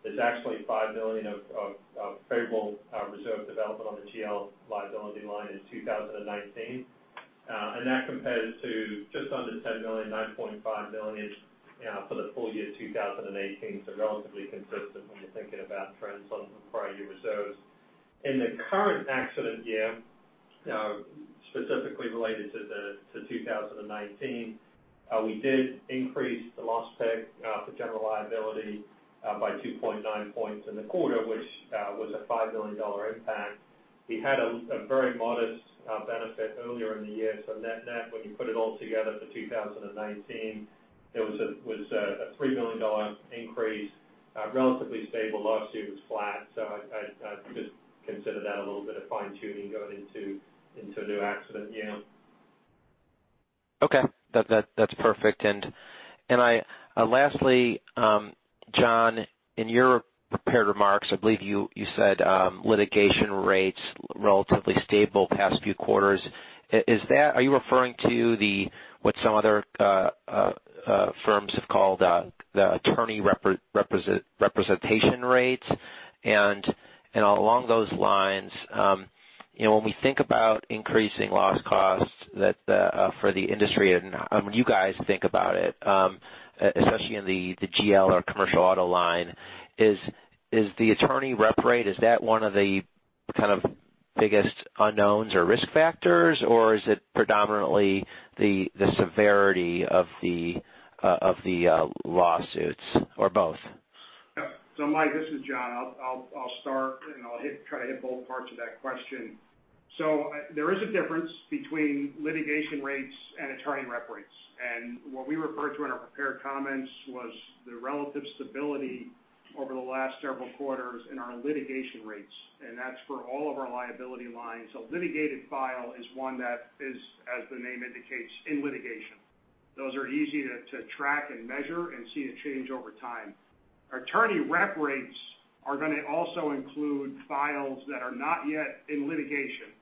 Speaker 4: there's actually $5 million of favorable reserve development on the GL liability line in 2019. That compares to just under $10 million, $9.5 million for the full year 2018. Relatively consistent when you're thinking about trends on the prior year reserves. In the current accident year, specifically related to 2019, we did increase the loss pick for General Liability by 2.9 points in the quarter, which was a $5 million impact. We had a very modest benefit earlier in the year. Net-net, when you put it all together for 2019, it was a $3 million increase. Relatively stable lawsuits, flat. I'd just consider that a little bit of fine-tuning going into a new accident year.
Speaker 6: Okay. That's perfect. Lastly, John, in your prepared remarks, I believe you said litigation rates, relatively stable past few quarters. Are you referring to what some other firms have called the attorney representation rates? Along those lines, when we think about increasing loss costs for the industry, and when you guys think about it, especially in the GL or Commercial Auto line, is the attorney rep rate, is that one of the biggest unknowns or risk factors, or is it predominantly the severity of the lawsuits, or both?
Speaker 5: Mike, this is John. I'll start. I'll try to hit both parts of that question. There is a difference between litigation rates and attorney rep rates. What we referred to in our prepared comments was the relative stability over the last several quarters in our litigation rates, and that's for all of our liability lines. Litigated file is one that is, as the name indicates, in litigation. Those are easy to track and measure and see a change over time. Our attorney rep rates are going to also include files that are not yet in litigation.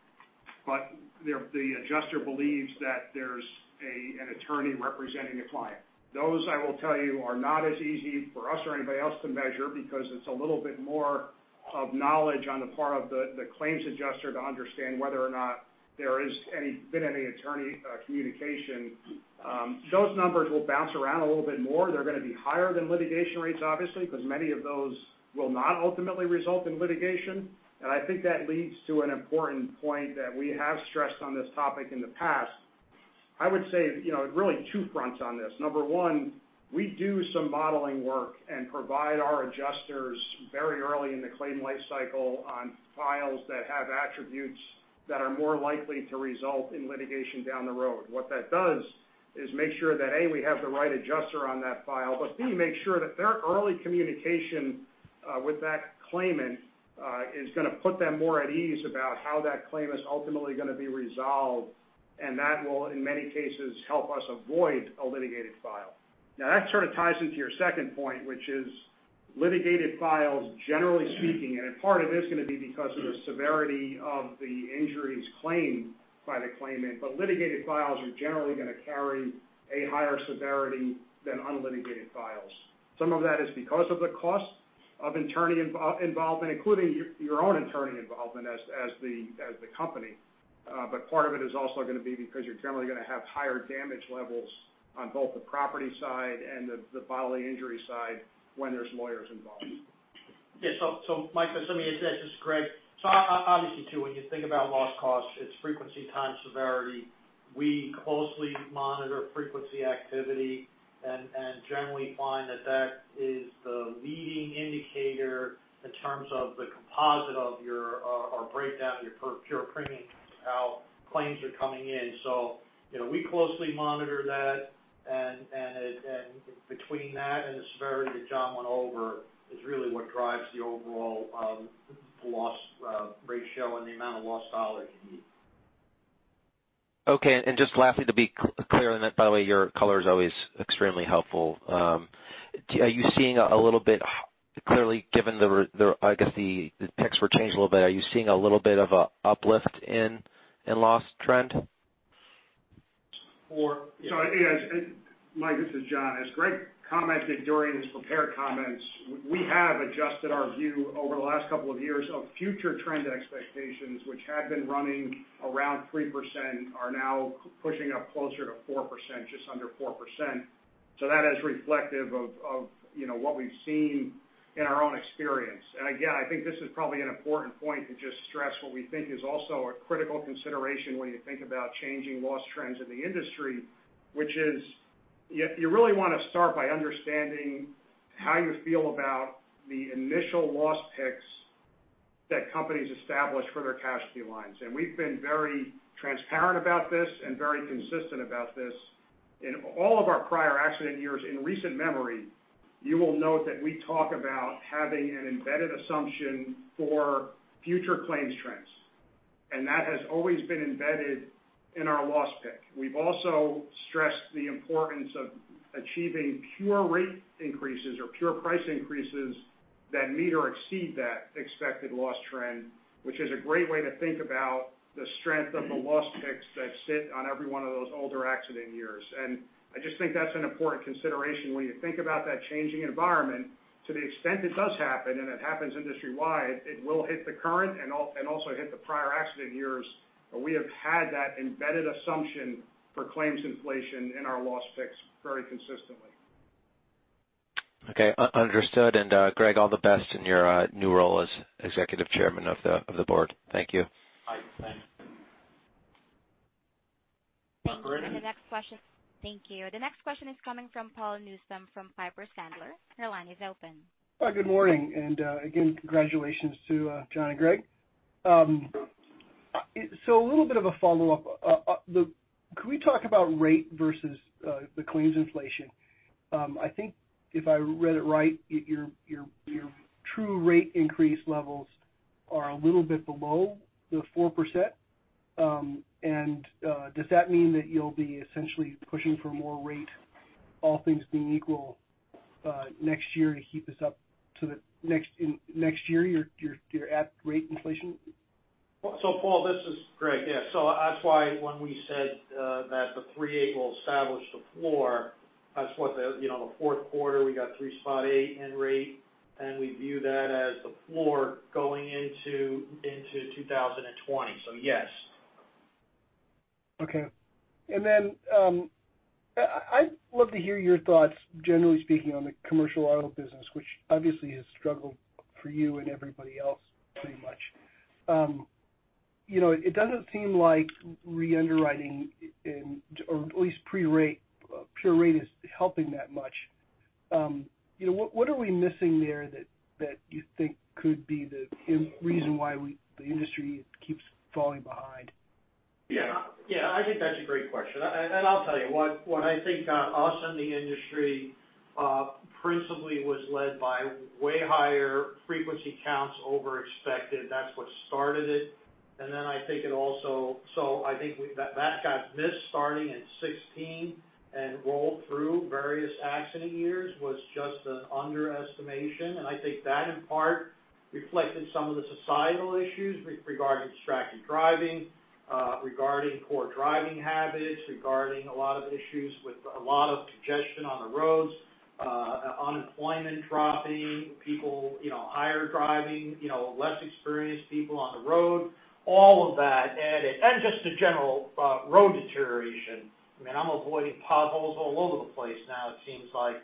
Speaker 5: The adjuster believes that there's an attorney representing a client. Those, I will tell you, are not as easy for us or anybody else to measure because it's a little bit more of knowledge on the part of the claims adjuster to understand whether or not there has been any attorney communication. Those numbers will bounce around a little bit more. They're going to be higher than litigation rates, obviously, because many of those will not ultimately result in litigation. I think that leads to an important point that we have stressed on this topic in the past. I would say, really two fronts on this. Number one, we do some modeling work and provide our adjusters very early in the claim life cycle on files that have attributes that are more likely to result in litigation down the road. What that does is make sure that, A, we have the right adjuster on that file, but B, make sure that their early communication with that claimant is going to put them more at ease about how that claim is ultimately going to be resolved. That will, in many cases, help us avoid a litigated file. That sort of ties into your second point, which is litigated files, generally speaking, and a part of it is going to be because of the severity of the injuries claimed by the claimant, but litigated files are generally going to carry a higher severity than unlitigated files. Some of that is because of the cost of attorney involvement, including your own attorney involvement as the company. Part of it is also going to be because you're generally going to have higher damage levels on both the property side and the bodily injury side when there's lawyers involved.
Speaker 3: Yes. Mike, this is Greg. Obviously too, when you think about loss costs, it's frequency times severity. We closely monitor frequency activity and generally find that that is the leading indicator in terms of the composite of your or breakdown of your pure premium, how claims are coming in. We closely monitor that, and between that and the severity that John went over is really what drives the overall loss ratio and the amount of loss dollars.
Speaker 6: Okay. Just lastly, to be clear on that, by the way, your color is always extremely helpful. Are you seeing a little bit, clearly given the, I guess the picks were changed a little bit, are you seeing a little bit of an uplift in loss trend?
Speaker 5: Sure. Yes, Mike, this is John. As Greg commented during his prepared comments, we have adjusted our view over the last couple of years of future trend expectations, which had been running around 3%, are now pushing up closer to 4%, just under 4%. That is reflective of what we've seen in our own experience. Again, I think this is probably an important point to just stress what we think is also a critical consideration when you think about changing loss trends in the industry, which is you really want to start by understanding how you feel about the initial loss picks that companies establish for their casualty lines. We've been very transparent about this and very consistent about this. In all of our prior accident years, in recent memory, you will note that we talk about having an embedded assumption for future claims trends. That has always been embedded in our loss pick. We've also stressed the importance of achieving pure rate increases or pure price increases that meet or exceed that expected loss trend, which is a great way to think about the strength of the loss picks that sit on every one of those older accident years. I just think that's an important consideration when you think about that changing environment to the extent it does happen, and it happens industry-wide, it will hit the current and also hit the prior accident years. We have had that embedded assumption for claims inflation in our loss picks very consistently.
Speaker 6: Okay. Understood. Greg, all the best in your new role as Executive Chairman of the Board. Thank you.
Speaker 3: Mike, thanks.
Speaker 1: Brendan? Thank you. The next question is coming from Paul Newsome from Piper Sandler. Your line is open.
Speaker 7: Hi, good morning, again, congratulations to John and Greg. A little bit of a follow-up. Could we talk about rate versus the claims inflation? I think if I read it right, your true rate increase levels are a little bit below the 4%. Does that mean that you'll be essentially pushing for more rate, all things being equal, next year to keep this up to the next year, your at-rate inflation?
Speaker 3: Paul, this is Greg. Yeah. That's why when we said that the 3.8 will establish the floor as what the fourth quarter, we got 3.8 in rate, and we view that as the floor going into 2020. Yes.
Speaker 7: Okay. I'd love to hear your thoughts, generally speaking, on the Commercial Auto business, which obviously has struggled for you and everybody else pretty much. It doesn't seem like re-underwriting or at least pure rate is helping that much. What are we missing there that you think could be the reason why the industry keeps falling behind?
Speaker 3: Yeah. I think that's a great question. I'll tell you. What I think us and the industry principally was led by way higher frequency counts over expected. That's what started it. I think that got missed starting in 2016 and rolled through various accident years was just an underestimation. I think that in part reflected some of the societal issues regarding distracted driving, regarding poor driving habits, regarding a lot of issues with a lot of congestion on the roads, unemployment dropping, people, higher driving, less experienced people on the road, all of that added. Just the general road deterioration. I mean, I'm avoiding potholes all over the place now it seems like.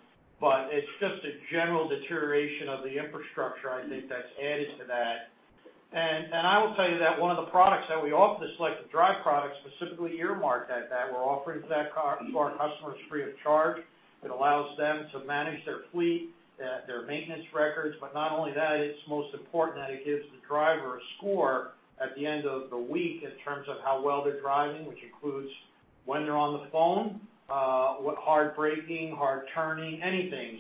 Speaker 3: It's just a general deterioration of the infrastructure, I think that's added to that. I will tell you that one of the products that we offer, the Selective Drive product, specifically earmarked at that, we're offering to our customers free of charge. It allows them to manage their fleet, their maintenance records. Not only that, it's most important that it gives the driver a score at the end of the week in terms of how well they're driving, which includes when they're on the phone, with hard braking, hard turning, anything.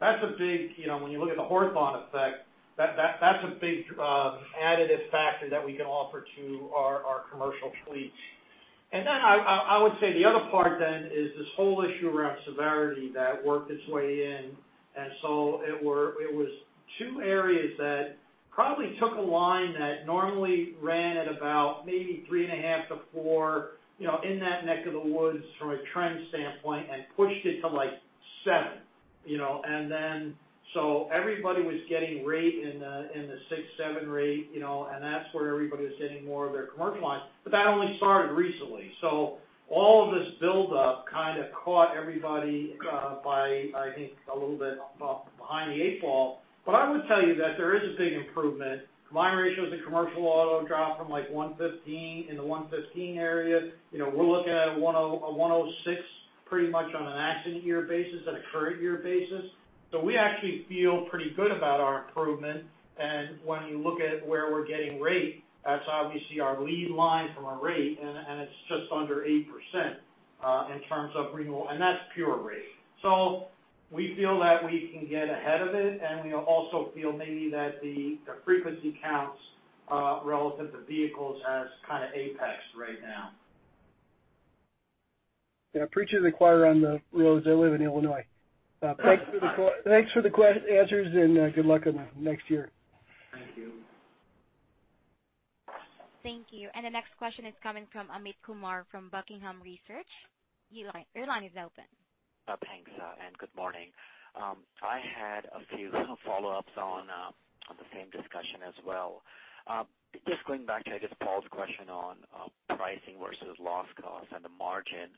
Speaker 3: That's a big, when you look at the Hawthorne effect, that's a big additive factor that we can offer to our commercial fleets. I would say the other part then is this whole issue around severity that worked its way in. It was two areas that probably took a line that normally ran at about maybe three and a half to four, in that neck of the woods from a trend standpoint, and pushed it to seven. Everybody was getting rate in the six, seven rate, and that's where everybody was hitting more of their commercial lines. That only started recently. All of this buildup kind of caught everybody by, I think, a little bit behind the eight ball. I would tell you that there is a big improvement. Combined ratios in Commercial Auto dropped from in the 115 area. We're looking at a 106 pretty much on an accident year basis and a current year basis. We actually feel pretty good about our improvement. When you look at where we're getting rate, that's obviously our lead line from a rate, it's just under 80% in terms of renewal. That's pure rate. We feel that we can get ahead of it, and we also feel maybe that the frequency counts, relative to vehicles, has kind of apexed right now.
Speaker 7: Yeah, preaching to the choir on the roads. I live in Illinois. Thanks for the answers and good luck on the next year.
Speaker 3: Thank you.
Speaker 1: Thank you. The next question is coming from Amit Kumar from Buckingham Research. Your line is open.
Speaker 8: Thanks, good morning. I had a few follow-ups on the same discussion as well. Going back to, I guess, Paul Newsome's question on pricing versus loss cost and the margin.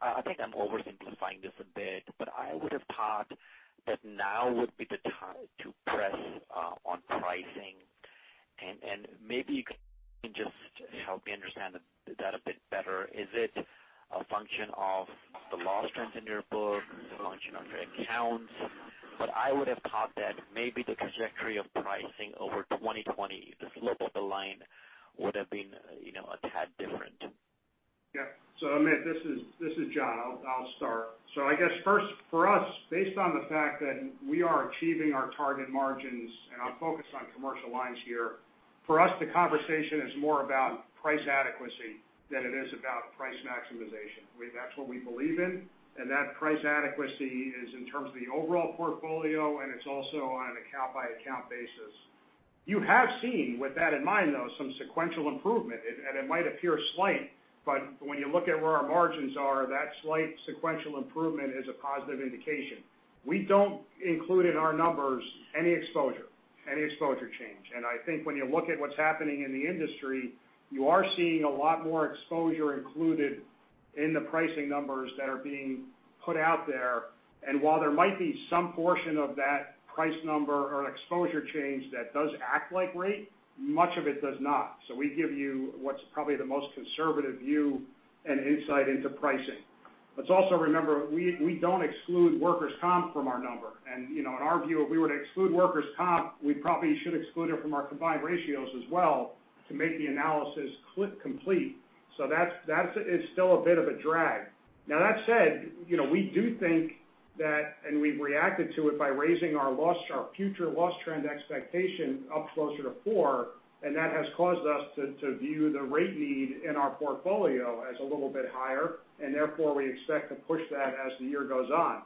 Speaker 8: I think I'm oversimplifying this a bit, I would've thought that now would be the time to press on pricing. Maybe you can just help me understand that a bit better. Is it a function of the loss trends in your book? Is a function of your accounts? I would've thought that maybe the trajectory of pricing over 2020, the slope of the line would've been a tad different.
Speaker 5: Amit, this is John. I'll start. I guess first for us, based on the fact that we are achieving our target margins, and I'll focus on Commercial Lines here, for us, the conversation is more about price adequacy than it is about price maximization. That's what we believe in, and that price adequacy is in terms of the overall portfolio, and it's also on an account-by-account basis. You have seen, with that in mind though, some sequential improvement, and it might appear slight, when you look at where our margins are, that slight sequential improvement is a positive indication. We don't include in our numbers any exposure change. I think when you look at what's happening in the industry, you are seeing a lot more exposure included in the pricing numbers that are being put out there. While there might be some portion of that price number or exposure change that does act like rate, much of it does not. We give you what's probably the most conservative view and insight into pricing. Let's also remember, we don't exclude workers' comp from our number. In our view, if we were to exclude workers' comp, we probably should exclude it from our combined ratios as well to make the analysis complete. That is still a bit of a drag. That said, we do think that, we've reacted to it by raising our future loss trend expectation up closer to 4, that has caused us to view the rate need in our portfolio as a little bit higher, therefore, we expect to push that as the year goes on.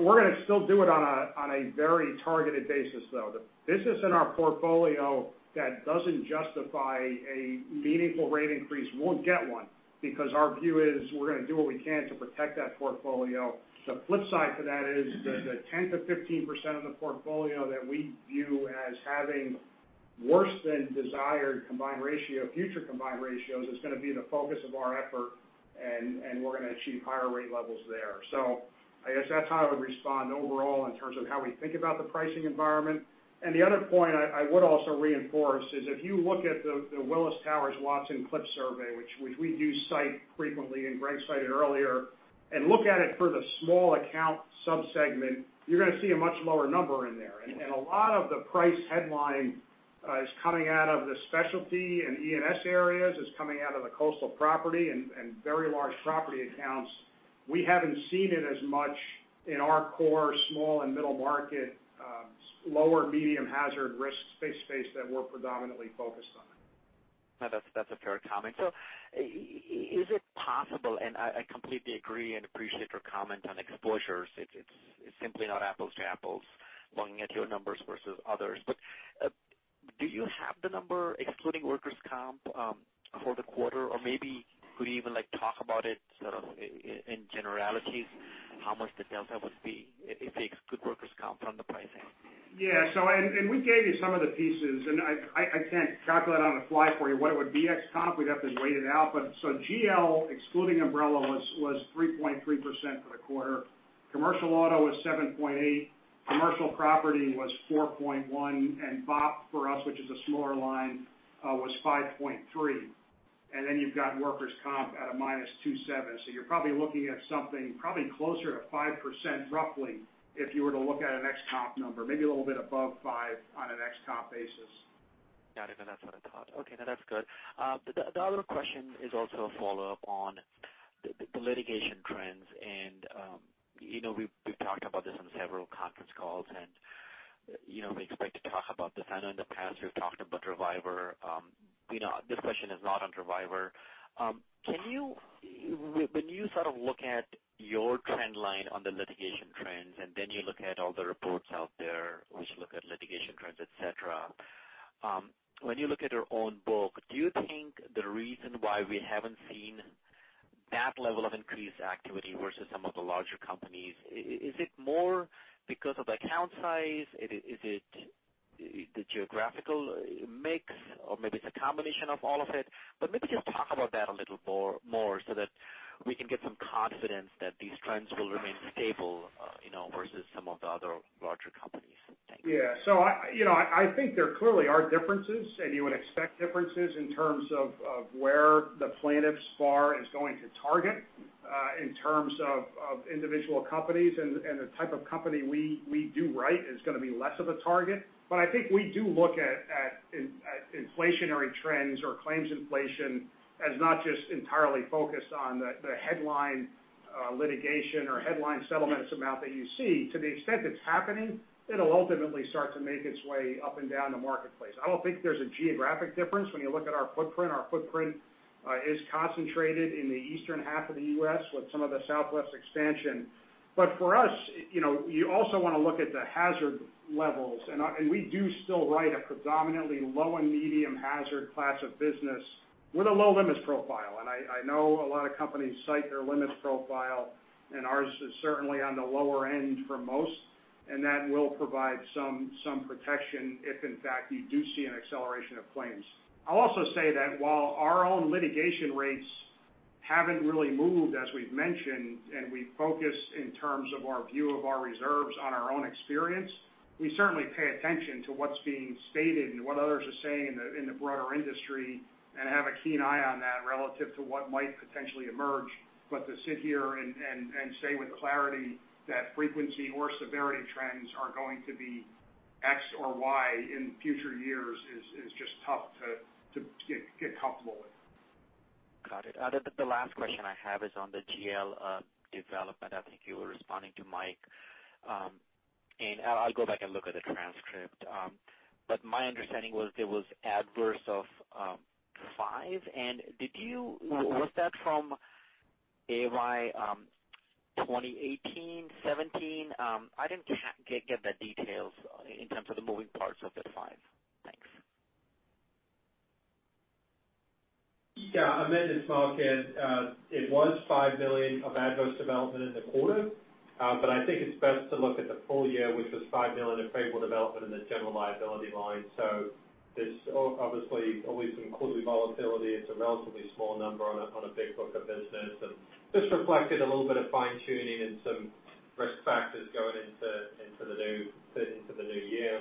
Speaker 5: We're going to still do it on a very targeted basis, though. The business in our portfolio that doesn't justify a meaningful rate increase won't get one because our view is we're going to do what we can to protect that portfolio. The flip side to that is the 10%-15% of the portfolio that we view as having worse than desired combined ratio, future combined ratios, is going to be the focus of our effort, and we're going to achieve higher rate levels there. I guess that's how I would respond overall in terms of how we think about the pricing environment. The other point I would also reinforce is if you look at the Willis Towers Watson CLIPS survey, which we do cite frequently, and Greg cited earlier, and look at it for the small account sub-segment, you're going to see a much lower number in there. A lot of the price headline is coming out of the specialty and E&S areas, it's coming out of the coastal property, and very large property accounts. We haven't seen it as much in our core, small and middle market, lower medium hazard risk space that we're predominantly focused on.
Speaker 8: No, that's a fair comment. Is it possible, and I completely agree and appreciate your comment on exposures, it's simply not apples to apples looking at your numbers versus others. Do you have the number excluding workers' comp, for the quarter? Or maybe could you even talk about it in generalities, how much the delta would be if you exclude workers' comp from the pricing?
Speaker 5: Yeah. We gave you some of the pieces, and I can't calculate on the fly for you what it would be ex comp. We'd have to wait it out. GL excluding umbrella was 3.3% for the quarter. Commercial Auto was 7.8%. Commercial Property was 4.1%. BOP for us, which is a smaller line, was 5.3%. You've got workers' comp at a -2.7%. You're probably looking at something probably closer to 5%, roughly, if you were to look at an ex comp number, maybe a little bit above five on an ex comp basis.
Speaker 8: Got it. That's what I thought. Okay, that's good. The other question is also a follow-up on the litigation trends. We've talked about this on several conference calls, and we expect to talk about this. I know in the past we've talked about Reviver. This question is not on Reviver. When you look at your trend line on the litigation trends, you look at all the reports out there which look at litigation trends, et cetera. When you look at your own book, do you think the reason why we haven't seen that level of increased activity versus some of the larger companies, is it more because of the account size? Is it the geographical mix, or maybe it's a combination of all of it? Maybe just talk about that a little more so that we can get some confidence that these trends will remain stable versus some of the other larger companies. Thank you.
Speaker 5: Yeah. I think there clearly are differences, and you would expect differences in terms of where the plaintiffs' bar is going to target, in terms of individual companies, and the type of company we do write is going to be less of a target. I think we do look at inflationary trends or claims inflation as not just entirely focused on the headline litigation or headline settlement amount that you see. To the extent it's happening, it'll ultimately start to make its way up and down the marketplace. I don't think there's a geographic difference when you look at our footprint. Our footprint is concentrated in the eastern half of the U.S. with some of the Southwest expansion. For us, you also want to look at the hazard levels, and we do still write a predominantly low and medium hazard class of business with a low limits profile. I know a lot of companies cite their limits profile, and ours is certainly on the lower end for most, and that will provide some protection if, in fact, you do see an acceleration of claims. I'll also say that while our own litigation rates haven't really moved, as we've mentioned, and we focus in terms of our view of our reserves on our own experience, we certainly pay attention to what's being stated and what others are saying in the broader industry and have a keen eye on that relative to what might potentially emerge. To sit here and say with clarity that frequency or severity trends are going to be X or Y in future years is just tough to get comfortable with.
Speaker 8: Got it. The last question I have is on the GL development. I think you were responding to Mike. I'll go back and look at the transcript. My understanding was there was adverse of five. Was that from AY 2018, 2017? I didn't get the details in terms of the moving parts of the five. Thanks.
Speaker 4: Yeah, Amit, it's Mark. It was $5 million of adverse development in the quarter. I think it's best to look at the full year, which was $5 million of favorable development in the General Liability line. There's obviously always some quarterly volatility. It's a relatively small number on a big book of business, and just reflected a little bit of fine-tuning and some risk factors going into the new year.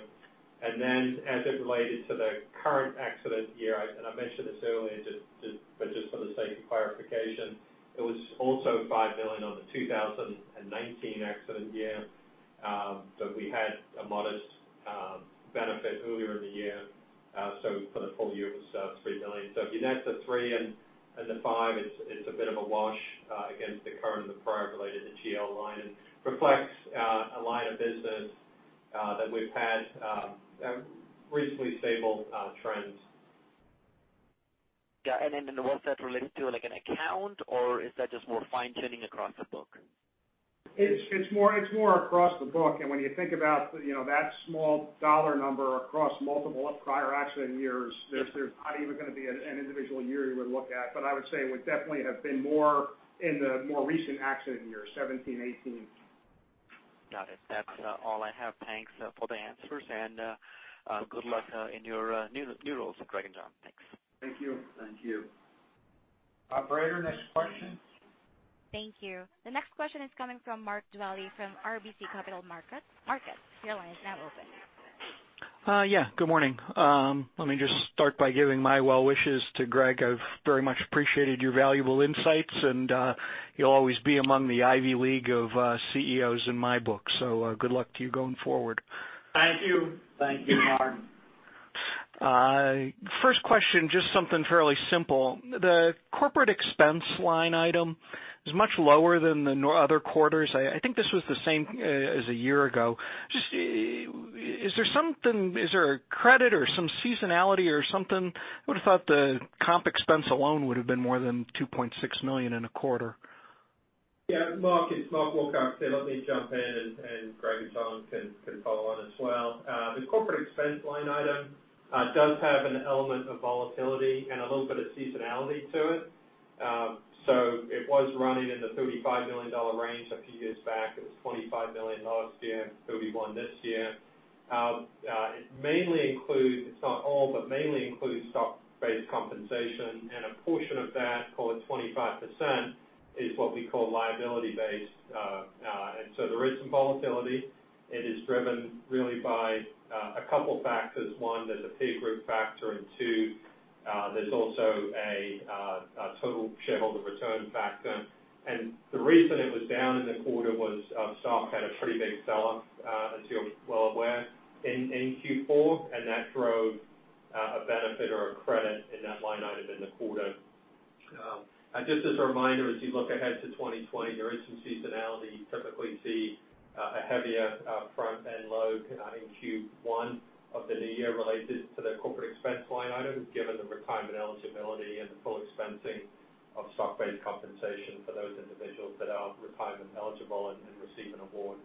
Speaker 4: As it related to the current accident year, and I mentioned this earlier, but just for the sake of clarification, it was also $5 million on the 2019 accident year. We had a modest benefit earlier in the year. For the full year, it was $3 million. If you net the three and the five, it's a bit of a wash against the current and the prior related to GL line, and reflects a line of business that we've had reasonably stable trends.
Speaker 8: Yeah. Was that related to an account, or is that just more fine-tuning across the book?
Speaker 5: It's more across the book. When you think about that small dollar number across multiple prior accident years, there's not even going to be an individual year you would look at. I would say it would definitely have been more in the more recent accident years, 2017, 2018.
Speaker 8: Got it. That's all I have. Thanks for the answers, and good luck in your new roles, Greg and John. Thanks.
Speaker 5: Thank you.
Speaker 4: Thank you.
Speaker 5: Operator, next question.
Speaker 1: Thank you. The next question is coming from Mark Dwelle from RBC Capital Markets. Mark, your line is now open.
Speaker 9: Good morning. Let me just start by giving my well wishes to Greg. I've very much appreciated your valuable insights, and you'll always be among the Ivy League of CEOs in my book. Good luck to you going forward.
Speaker 3: Thank you.
Speaker 4: Thank you, Mark.
Speaker 9: First question, just something fairly simple. The corporate expense line item is much lower than the other quarters. I think this was the same as a year ago. Is there a credit or some seasonality or something? I would've thought the comp expense alone would've been more than $2.6 million in a quarter.
Speaker 4: Yeah, Mark, it's Mark Wilcox. Let me jump in, and Greg and John can follow on as well. The corporate expense line item does have an element of volatility and a little bit of seasonality to it. It was running in the $35 million range a few years back. It was $25 million here, $31 million this year. It mainly includes, it's not all, but mainly includes stock-based compensation. A portion of that, call it 25%, is what we call liability-based. There is some volatility. It is driven really by a couple factors. One, there's a pay group factor, and two there's also a total shareholder return factor. The reason it was down in the quarter was stock had a pretty big sell-off, as you're well aware, in Q4, and that drove a benefit or a credit in that line item in the quarter. Just as a reminder, as you look ahead to 2020, there is some seasonality. You typically see a heavier front-end load in Q1 of the new year related to the corporate expense line item, given the retirement eligibility and the full expensing of stock-based compensation for those individuals that are retirement eligible and receive an award.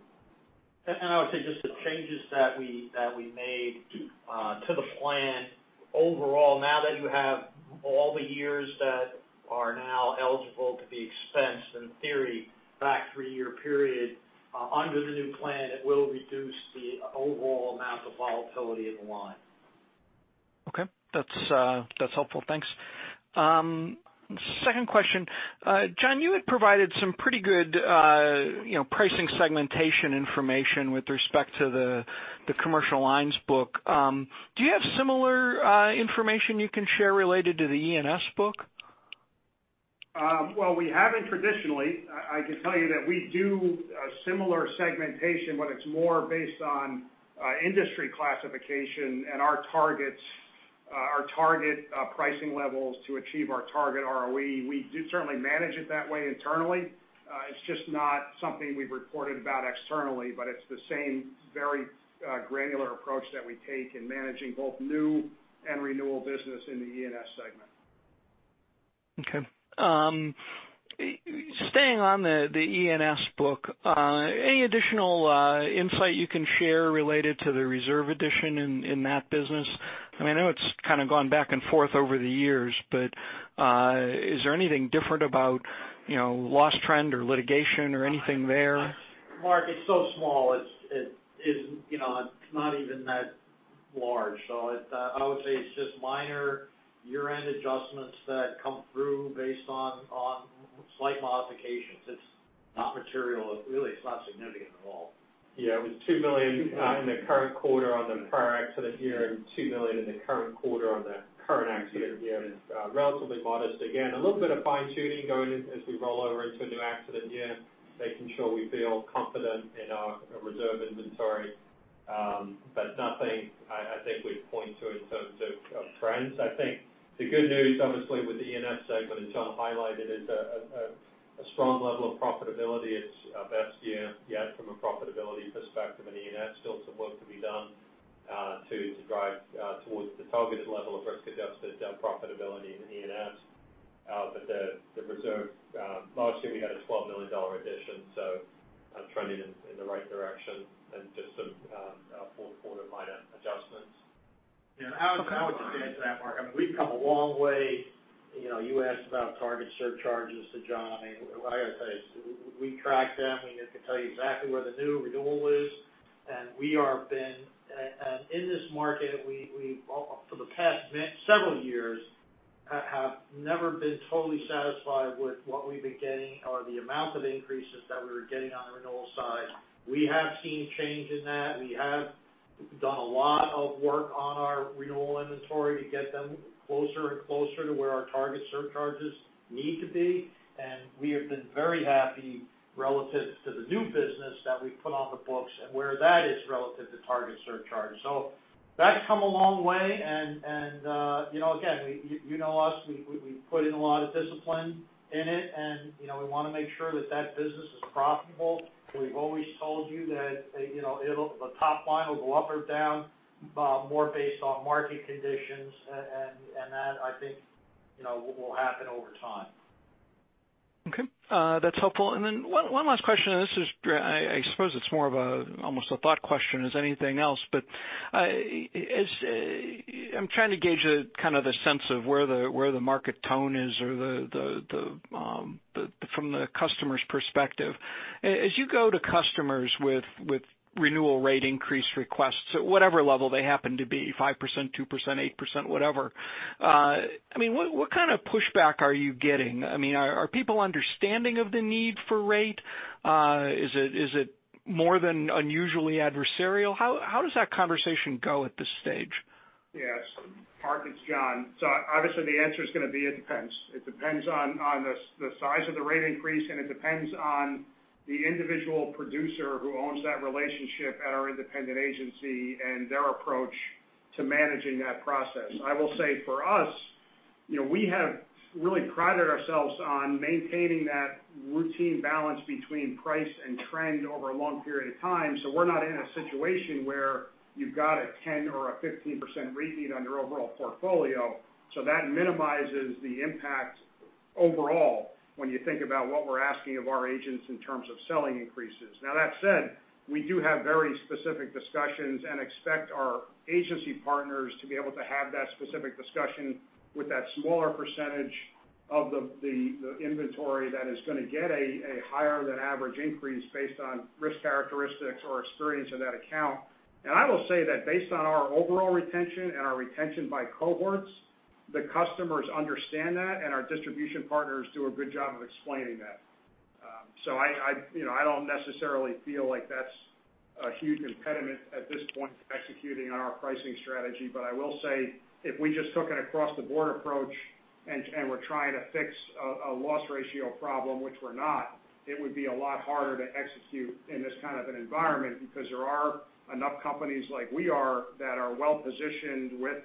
Speaker 3: I would say just the changes that we made to the plan overall, now that you have all the years that are now eligible to be expensed, in theory, that three-year period under the new plan, it will reduce the overall amount of volatility in the line.
Speaker 9: Okay. That's helpful. Thanks. Second question. John, you had provided some pretty good pricing segmentation information with respect to the Commercial Lines book. Do you have similar information you can share related to the E&S book?
Speaker 5: We haven't traditionally. I can tell you that we do a similar segmentation, but it's more based on industry classification and our target pricing levels to achieve our target ROE. We do certainly manage it that way internally. It's just not something we've reported about externally, but it's the same very granular approach that we take in managing both new and renewal business in the E&S segment.
Speaker 9: Okay. Staying on the E&S book, any additional insight you can share related to the reserve addition in that business? I know it's kind of gone back and forth over the years, but is there anything different about loss trend or litigation or anything there?
Speaker 3: Mark, it's so small. It's not even that large. I would say it's just minor year-end adjustments that come through based on slight modifications. It's not material. Really, it's not significant at all.
Speaker 4: Yeah. It was $2 million in the current quarter on the prior accident year, and $2 million in the current quarter on the current accident year. It's relatively modest. Again, a little bit of fine-tuning going as we roll over into a new accident year, making sure we feel confident in our reserve inventory. Nothing I think we'd point to in terms of trends. I think the good news, obviously, with the E&S segment, as John highlighted, is a strong level of profitability. It's our best year yet from a profitability perspective in E&S. Still some work to be done to drive towards the targeted level of risk-adjusted profitability in E&S. The reserve, largely, we had a $12 million addition, trending in the right direction and just some fourth quarter minor adjustments.
Speaker 3: Okay. Got it. I would just add to that, Mark, we've come a long way. You asked about target surcharges to John. I got to tell you, we track them. We can tell you exactly where the new renewal is. In this market, for the past several years, have never been totally satisfied with what we've been getting or the amount of increases that we were getting on the renewal side. We have seen change in that. We have done a lot of work on our renewal inventory to get them closer and closer to where our target surcharges need to be. We have been very happy relative to the new business that we've put on the books and where that is relative to target surcharge. That's come a long way, and again, you know us. We put in a lot of discipline in it. We want to make sure that that business is profitable. We've always told you that the top line will go up or down more based on market conditions. That I think will happen over time.
Speaker 9: Okay. That's helpful. One last question on this is, I suppose it's more of almost a thought question as anything else. I'm trying to gauge kind of the sense of where the market tone is from the customer's perspective. As you go to customers with renewal rate increase requests at whatever level they happen to be, 5%, 2%, 8%, whatever, what kind of pushback are you getting? Are people understanding of the need for rate? Is it more than unusually adversarial? How does that conversation go at this stage?
Speaker 5: Yes. Mark, it's John. Obviously, the answer's going to be it depends. It depends on the size of the rate increase. It depends on the individual producer who owns that relationship at our independent agency and their approach to managing that process. I will say for us, we have really prided ourselves on maintaining that routine balance between price and trend over a long period of time. We're not in a situation where you've got a 10 or a 15% repeat on your overall portfolio. That minimizes the impact overall, when you think about what we're asking of our agents in terms of selling increases. Now that said, we do have very specific discussions and expect our agency partners to be able to have that specific discussion with that smaller percentage of the inventory that is going to get a higher than average increase based on risk characteristics or experience in that account. I will say that based on our overall retention and our retention by cohorts, the customers understand that. Our distribution partners do a good job of explaining that. I don't necessarily feel like that's a huge impediment at this point to executing on our pricing strategy. I will say, if we just took an across-the-board approach and were trying to fix a loss ratio problem, which we're not, it would be a lot harder to execute in this kind of an environment because there are enough companies like we are that are well-positioned with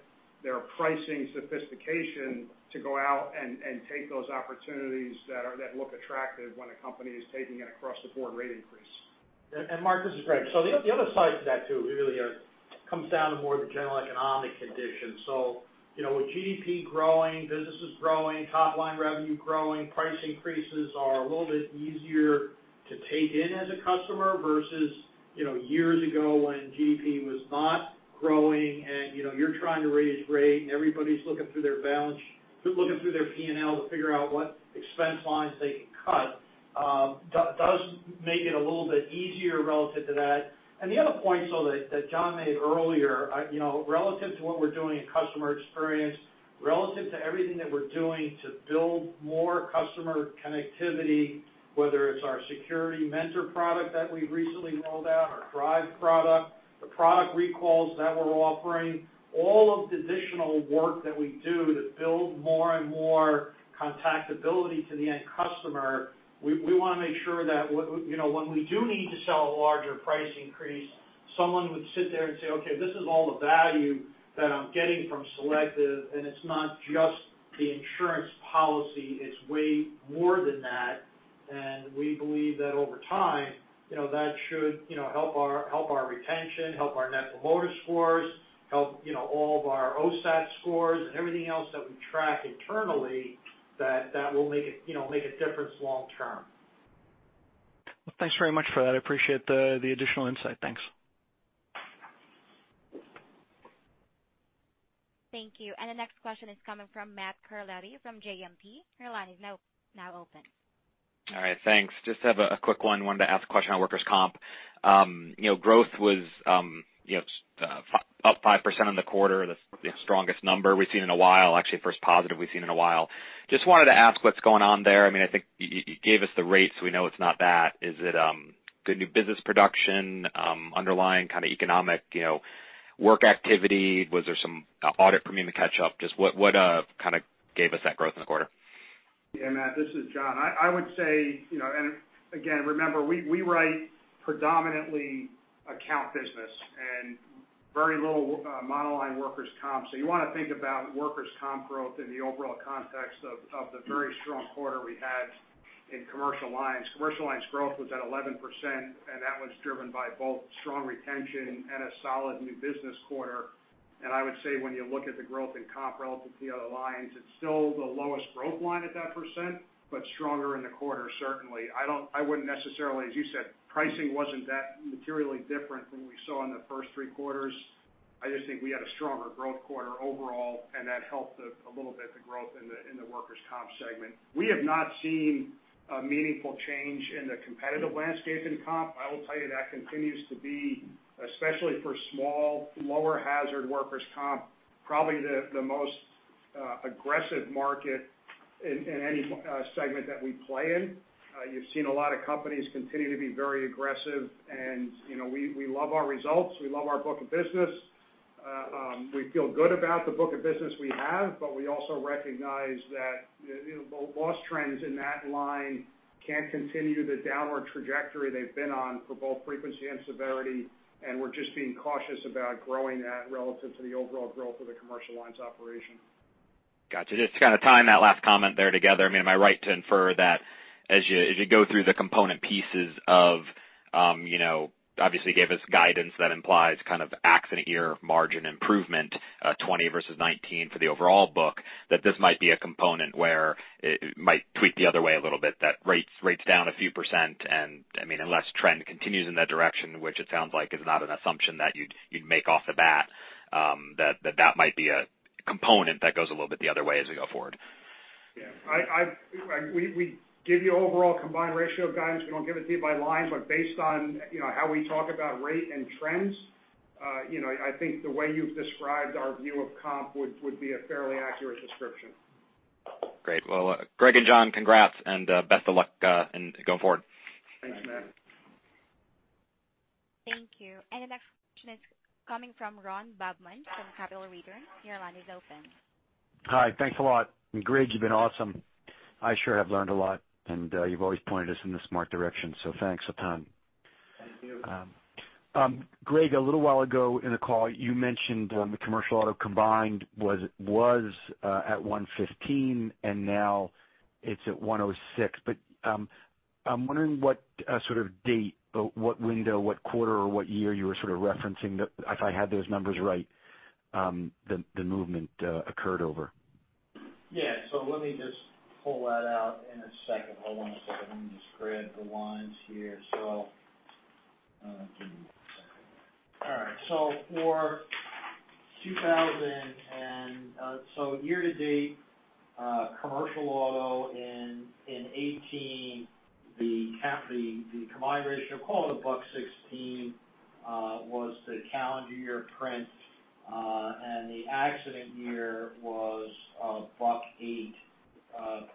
Speaker 5: their pricing sophistication to go out and take those opportunities that look attractive when a company is taking an across-the-board rate increase.
Speaker 3: Mark, this is Greg. The other side to that too really comes down to more of the general economic conditions. With GDP growing, businesses growing, top-line revenue growing, price increases are a little bit easier to take in as a customer versus years ago when GDP was not growing, and you're trying to raise rate, and everybody's looking through their P&L to figure out what expense lines they can cut. Does make it a little bit easier relative to that. The other point that John made earlier, relative to what we're doing in customer experience, relative to everything that we're doing to build more customer connectivity, whether it's our Security Mentor product that we recently rolled out, our Thrive product, the product recalls that we're offering, all of the additional work that we do to build more and more contactability to the end customer. We want to make sure that when we do need to sell a larger price increase, someone would sit there and say, "Okay, this is all the value that I'm getting from Selective, and it's not just the insurance policy, it's way more than that." We believe that over time, that should help our retention, help our Net Promoter Score, help all of our OSAT scores and everything else that we track internally that will make a difference long term.
Speaker 9: Well, thanks very much for that. I appreciate the additional insight. Thanks.
Speaker 1: Thank you. The next question is coming from Matt Carletti from JMP. Your line is now open.
Speaker 10: All right. Thanks. Just have a quick one. Wanted to ask a question on workers' comp. Growth was up 5% in the quarter, the strongest number we've seen in a while. Actually, first positive we've seen in a while. Just wanted to ask what's going on there. I think you gave us the rates, we know it's not that. Is it good new business production, underlying kind of economic work activity? Was there some audit premium to catch up? Just what gave us that growth in the quarter?
Speaker 5: Yeah, Matt, this is John. I would say, again, remember, we write predominantly account business and very little monoline workers' comp. You want to think about workers' comp growth in the overall context of the very strong quarter we had in Commercial Lines. Commercial Lines growth was at 11%. That was driven by both strong retention and a solid new business quarter. I would say when you look at the growth in comp relative to the other lines, it's still the lowest growth line at that percent, but stronger in the quarter, certainly. I wouldn't necessarily, as you said, pricing wasn't that materially different than we saw in the first three quarters. I just think we had a stronger growth quarter overall, and that helped a little bit the growth in the workers' comp segment. We have not seen a meaningful change in the competitive landscape in comp. I will tell you that continues to be, especially for small, lower hazard workers' comp, probably the most aggressive market in any segment that we play in. You've seen a lot of companies continue to be very aggressive. We love our results. We love our book of business. We feel good about the book of business we have, but we also recognize that loss trends in that line can't continue the downward trajectory they've been on for both frequency and severity. We're just being cautious about growing that relative to the overall growth of the Commercial Lines operation.
Speaker 10: Got you. Just to kind of tie in that last comment there together, am I right to infer that as you go through the component pieces of, obviously you gave us guidance that implies kind of accident year margin improvement 2020 versus 2019 for the overall book, that this might be a component where it might tweak the other way a little bit, that rates down a few %, and unless trend continues in that direction, which it sounds like is not an assumption that you'd make off the bat, that might be a component that goes a little bit the other way as we go forward.
Speaker 5: Yeah. We give you overall combined ratio guidance. We don't give it to you by lines, based on how we talk about rate and trends, I think the way you've described our view of comp would be a fairly accurate description.
Speaker 10: Great. Well, Greg and John, congrats and best of luck going forward.
Speaker 5: Thanks, Matt.
Speaker 1: Thank you. The next question is coming from Ron Bobman from Capital Returns. Your line is open.
Speaker 11: Hi. Thanks a lot. Greg, you've been awesome. I sure have learned a lot, and you've always pointed us in the smart direction, so thanks a ton.
Speaker 3: Thank you.
Speaker 11: Greg, a little while ago in the call, you mentioned the Commercial Auto combined was at 115, and now it's at 106. I'm wondering what sort of date, what window, what quarter, or what year you were sort of referencing, if I had those numbers right, the movement occurred over.
Speaker 3: Yeah. Let me just pull that out in a second. Hold on a second. Let me just grab the lines here. Give me one second. All right. Year-to-date, Commercial Auto in 2018, the combined ratio, call it $1.16, was the calendar year print. The accident year was $1.08,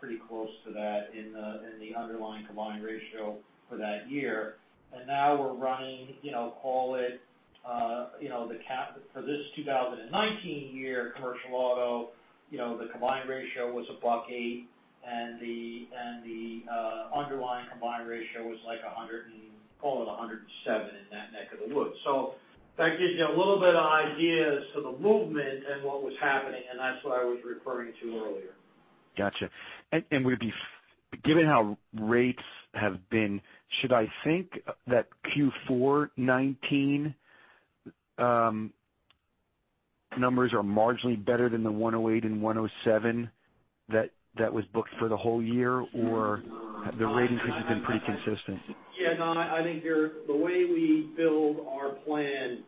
Speaker 3: pretty close to that in the underlying combined ratio for that year. Now we're running, call it, for this 2019 year, Commercial Auto, the combined ratio was $1.08, and the underlying combined ratio was call it 107 in that neck of the woods. That gives you a little bit of idea as to the movement and what was happening, and that's what I was referring to earlier.
Speaker 11: Got you. Given how rates have been, should I think that Q4 2019 numbers are marginally better than the 108 and 107 that was booked for the whole year? Or the ratings have just been pretty consistent?
Speaker 3: Yeah, no. The way we build our plan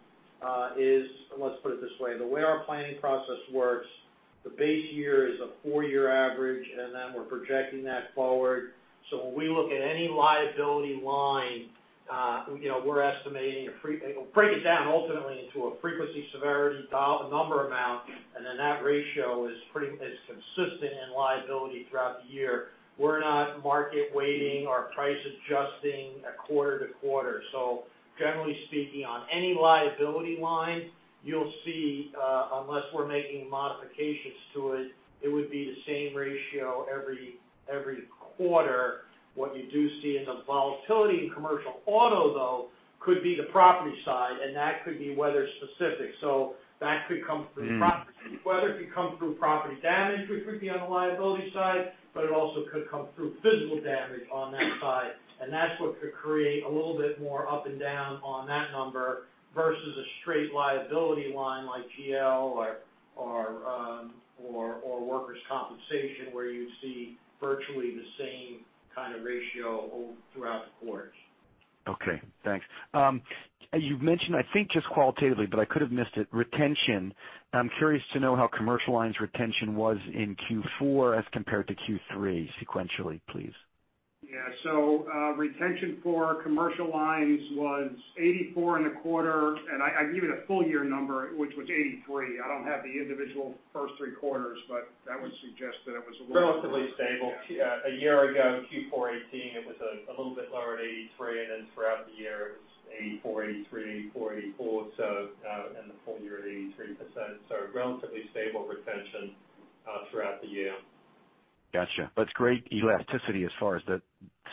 Speaker 3: is, let's put it this way. The way our planning process works, the base year is a four-year average, and then we're projecting that forward. When we look at any liability line, we'll break it down ultimately into a frequency severity number amount, and then that ratio is consistent in liability throughout the year. We're not market weighting or price adjusting quarter to quarter. Generally speaking, on any liability line, you'll see, unless we're making modifications to it would be the same ratio every quarter. What you do see in the volatility in Commercial Auto, though, could be the property side, and that could be weather specific. That could come through property. Weather could come through property damage, which would be on the liability side, but it also could come through physical damage on that side, and that's what could create a little bit more up and down on that number versus a straight liability line like GL or Workers' Compensation, where you'd see virtually the same kind of ratio throughout the quarters.
Speaker 11: Okay, thanks. You've mentioned, I think just qualitatively, but I could have missed it, retention. I'm curious to know how commercial lines retention was in Q4 as compared to Q3 sequentially, please.
Speaker 5: Yeah. Retention for commercial lines was 84% in the quarter, and I gave it a full year number, which was 83%. I don't have the individual first three quarters, but that would suggest that it was a little-
Speaker 4: Relatively stable. A year ago, Q4 2018, it was a little bit lower at 83%, and then throughout the year, it was 84%, 83%, 84%, 84%. In the full year, 83%. Relatively stable retention throughout the year.
Speaker 11: Got you. It's great elasticity as far as that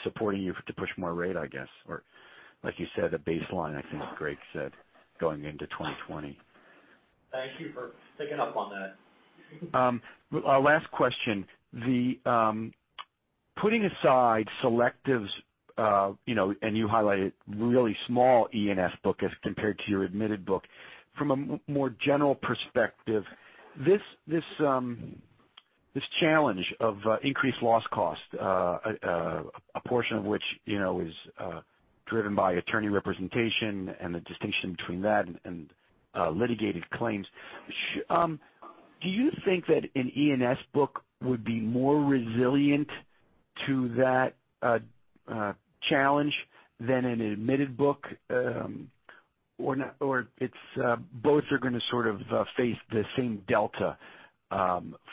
Speaker 11: supporting you to push more rate, I guess. Like you said, a baseline, I think Greg said, going into 2020.
Speaker 3: Thank you for picking up on that.
Speaker 11: Last question. Putting aside Selective's, you highlighted really small E&S book as compared to your admitted book. From a more general perspective, this challenge of increased loss cost, a portion of which is driven by attorney representation and the distinction between that and litigated claims. Do you think that an E&S book would be more resilient to that challenge than an admitted book? Both are going to sort of face the same delta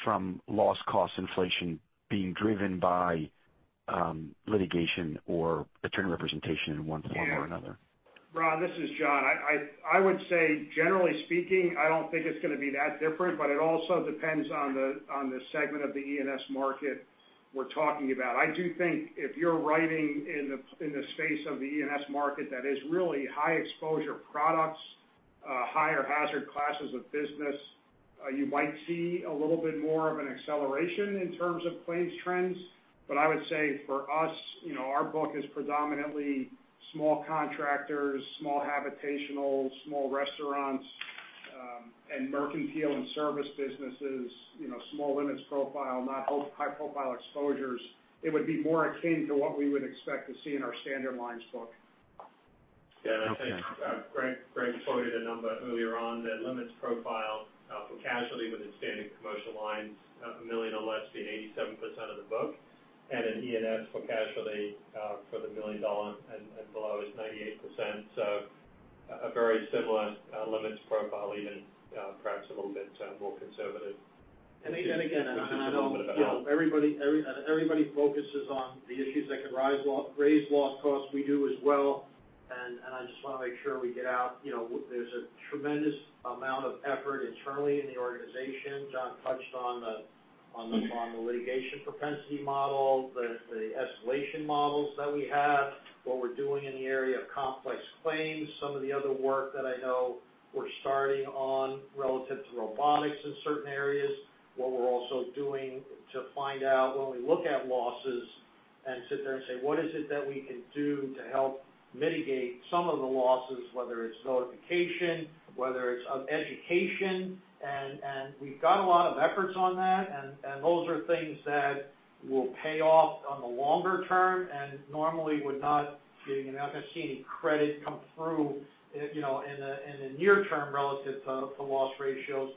Speaker 11: from loss cost inflation being driven by litigation or attorney representation in one form or another?
Speaker 5: Ron, this is John. I would say, generally speaking, I don't think it's going to be that different, but it also depends on the segment of the E&S market we're talking about. I do think if you're riding in the space of the E&S market that is really high exposure products, higher hazard classes of business, you might see a little bit more of an acceleration in terms of claims trends. I would say for us, our book is predominantly small contractors, small habitational, small restaurants, and mercantile and service businesses, small limits profile, not high profile exposures. It would be more akin to what we would expect to see in our standard lines book.
Speaker 4: Yeah. Okay. Greg quoted a number earlier on that limits profile for casualty within Standard Commercial Lines, $1 million or less being 87% of the book, in E&S for casualty for the $1 million and below is 98%. A very similar limits profile, even perhaps a little bit more conservative.
Speaker 3: Again, I know everybody focuses on the issues that could raise loss costs. We do as well. I just want to make sure we get out, there's a tremendous amount of effort internally in the organization. John touched on the litigation propensity model, the escalation models that we have, what we're doing in the area of complex claims, some of the other work that I know we're starting on relative to robotics in certain areas, what we're also doing to find out when we look at losses and sit there and say, what is it that we can do to help mitigate some of the losses, whether it's notification, whether it's education. We've got a lot of efforts on that, and those are things that will pay off on the longer term and normally would not see any credit come through in the near term relative to loss ratios.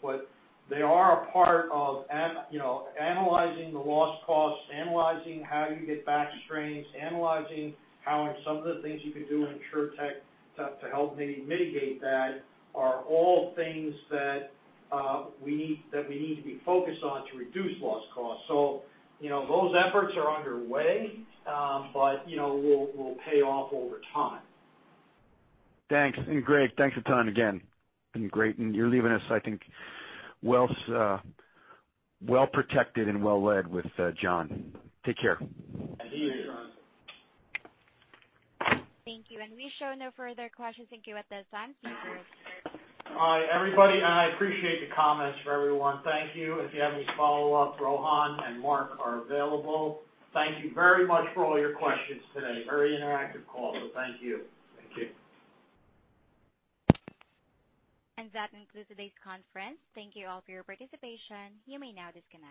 Speaker 3: They are a part of analyzing the loss costs, analyzing how you get back strains, analyzing how some of the things you can do in InsurTech to help maybe mitigate that are all things that we need to be focused on to reduce loss costs. Those efforts are underway, but will pay off over time.
Speaker 11: Thanks. Greg, thanks a ton again. Been great. You're leaving us, I think, well-protected and well-led with John. Take care.
Speaker 3: See you, John.
Speaker 1: Thank you. We show no further questions. Thank you at this time.
Speaker 3: All right, everybody, I appreciate the comments from everyone. Thank you. If you have any follow-up, Rohan and Mark are available. Thank you very much for all your questions today. Very interactive call, so thank you.
Speaker 4: Thank you.
Speaker 1: That concludes today's conference. Thank you all for your participation. You may now disconnect.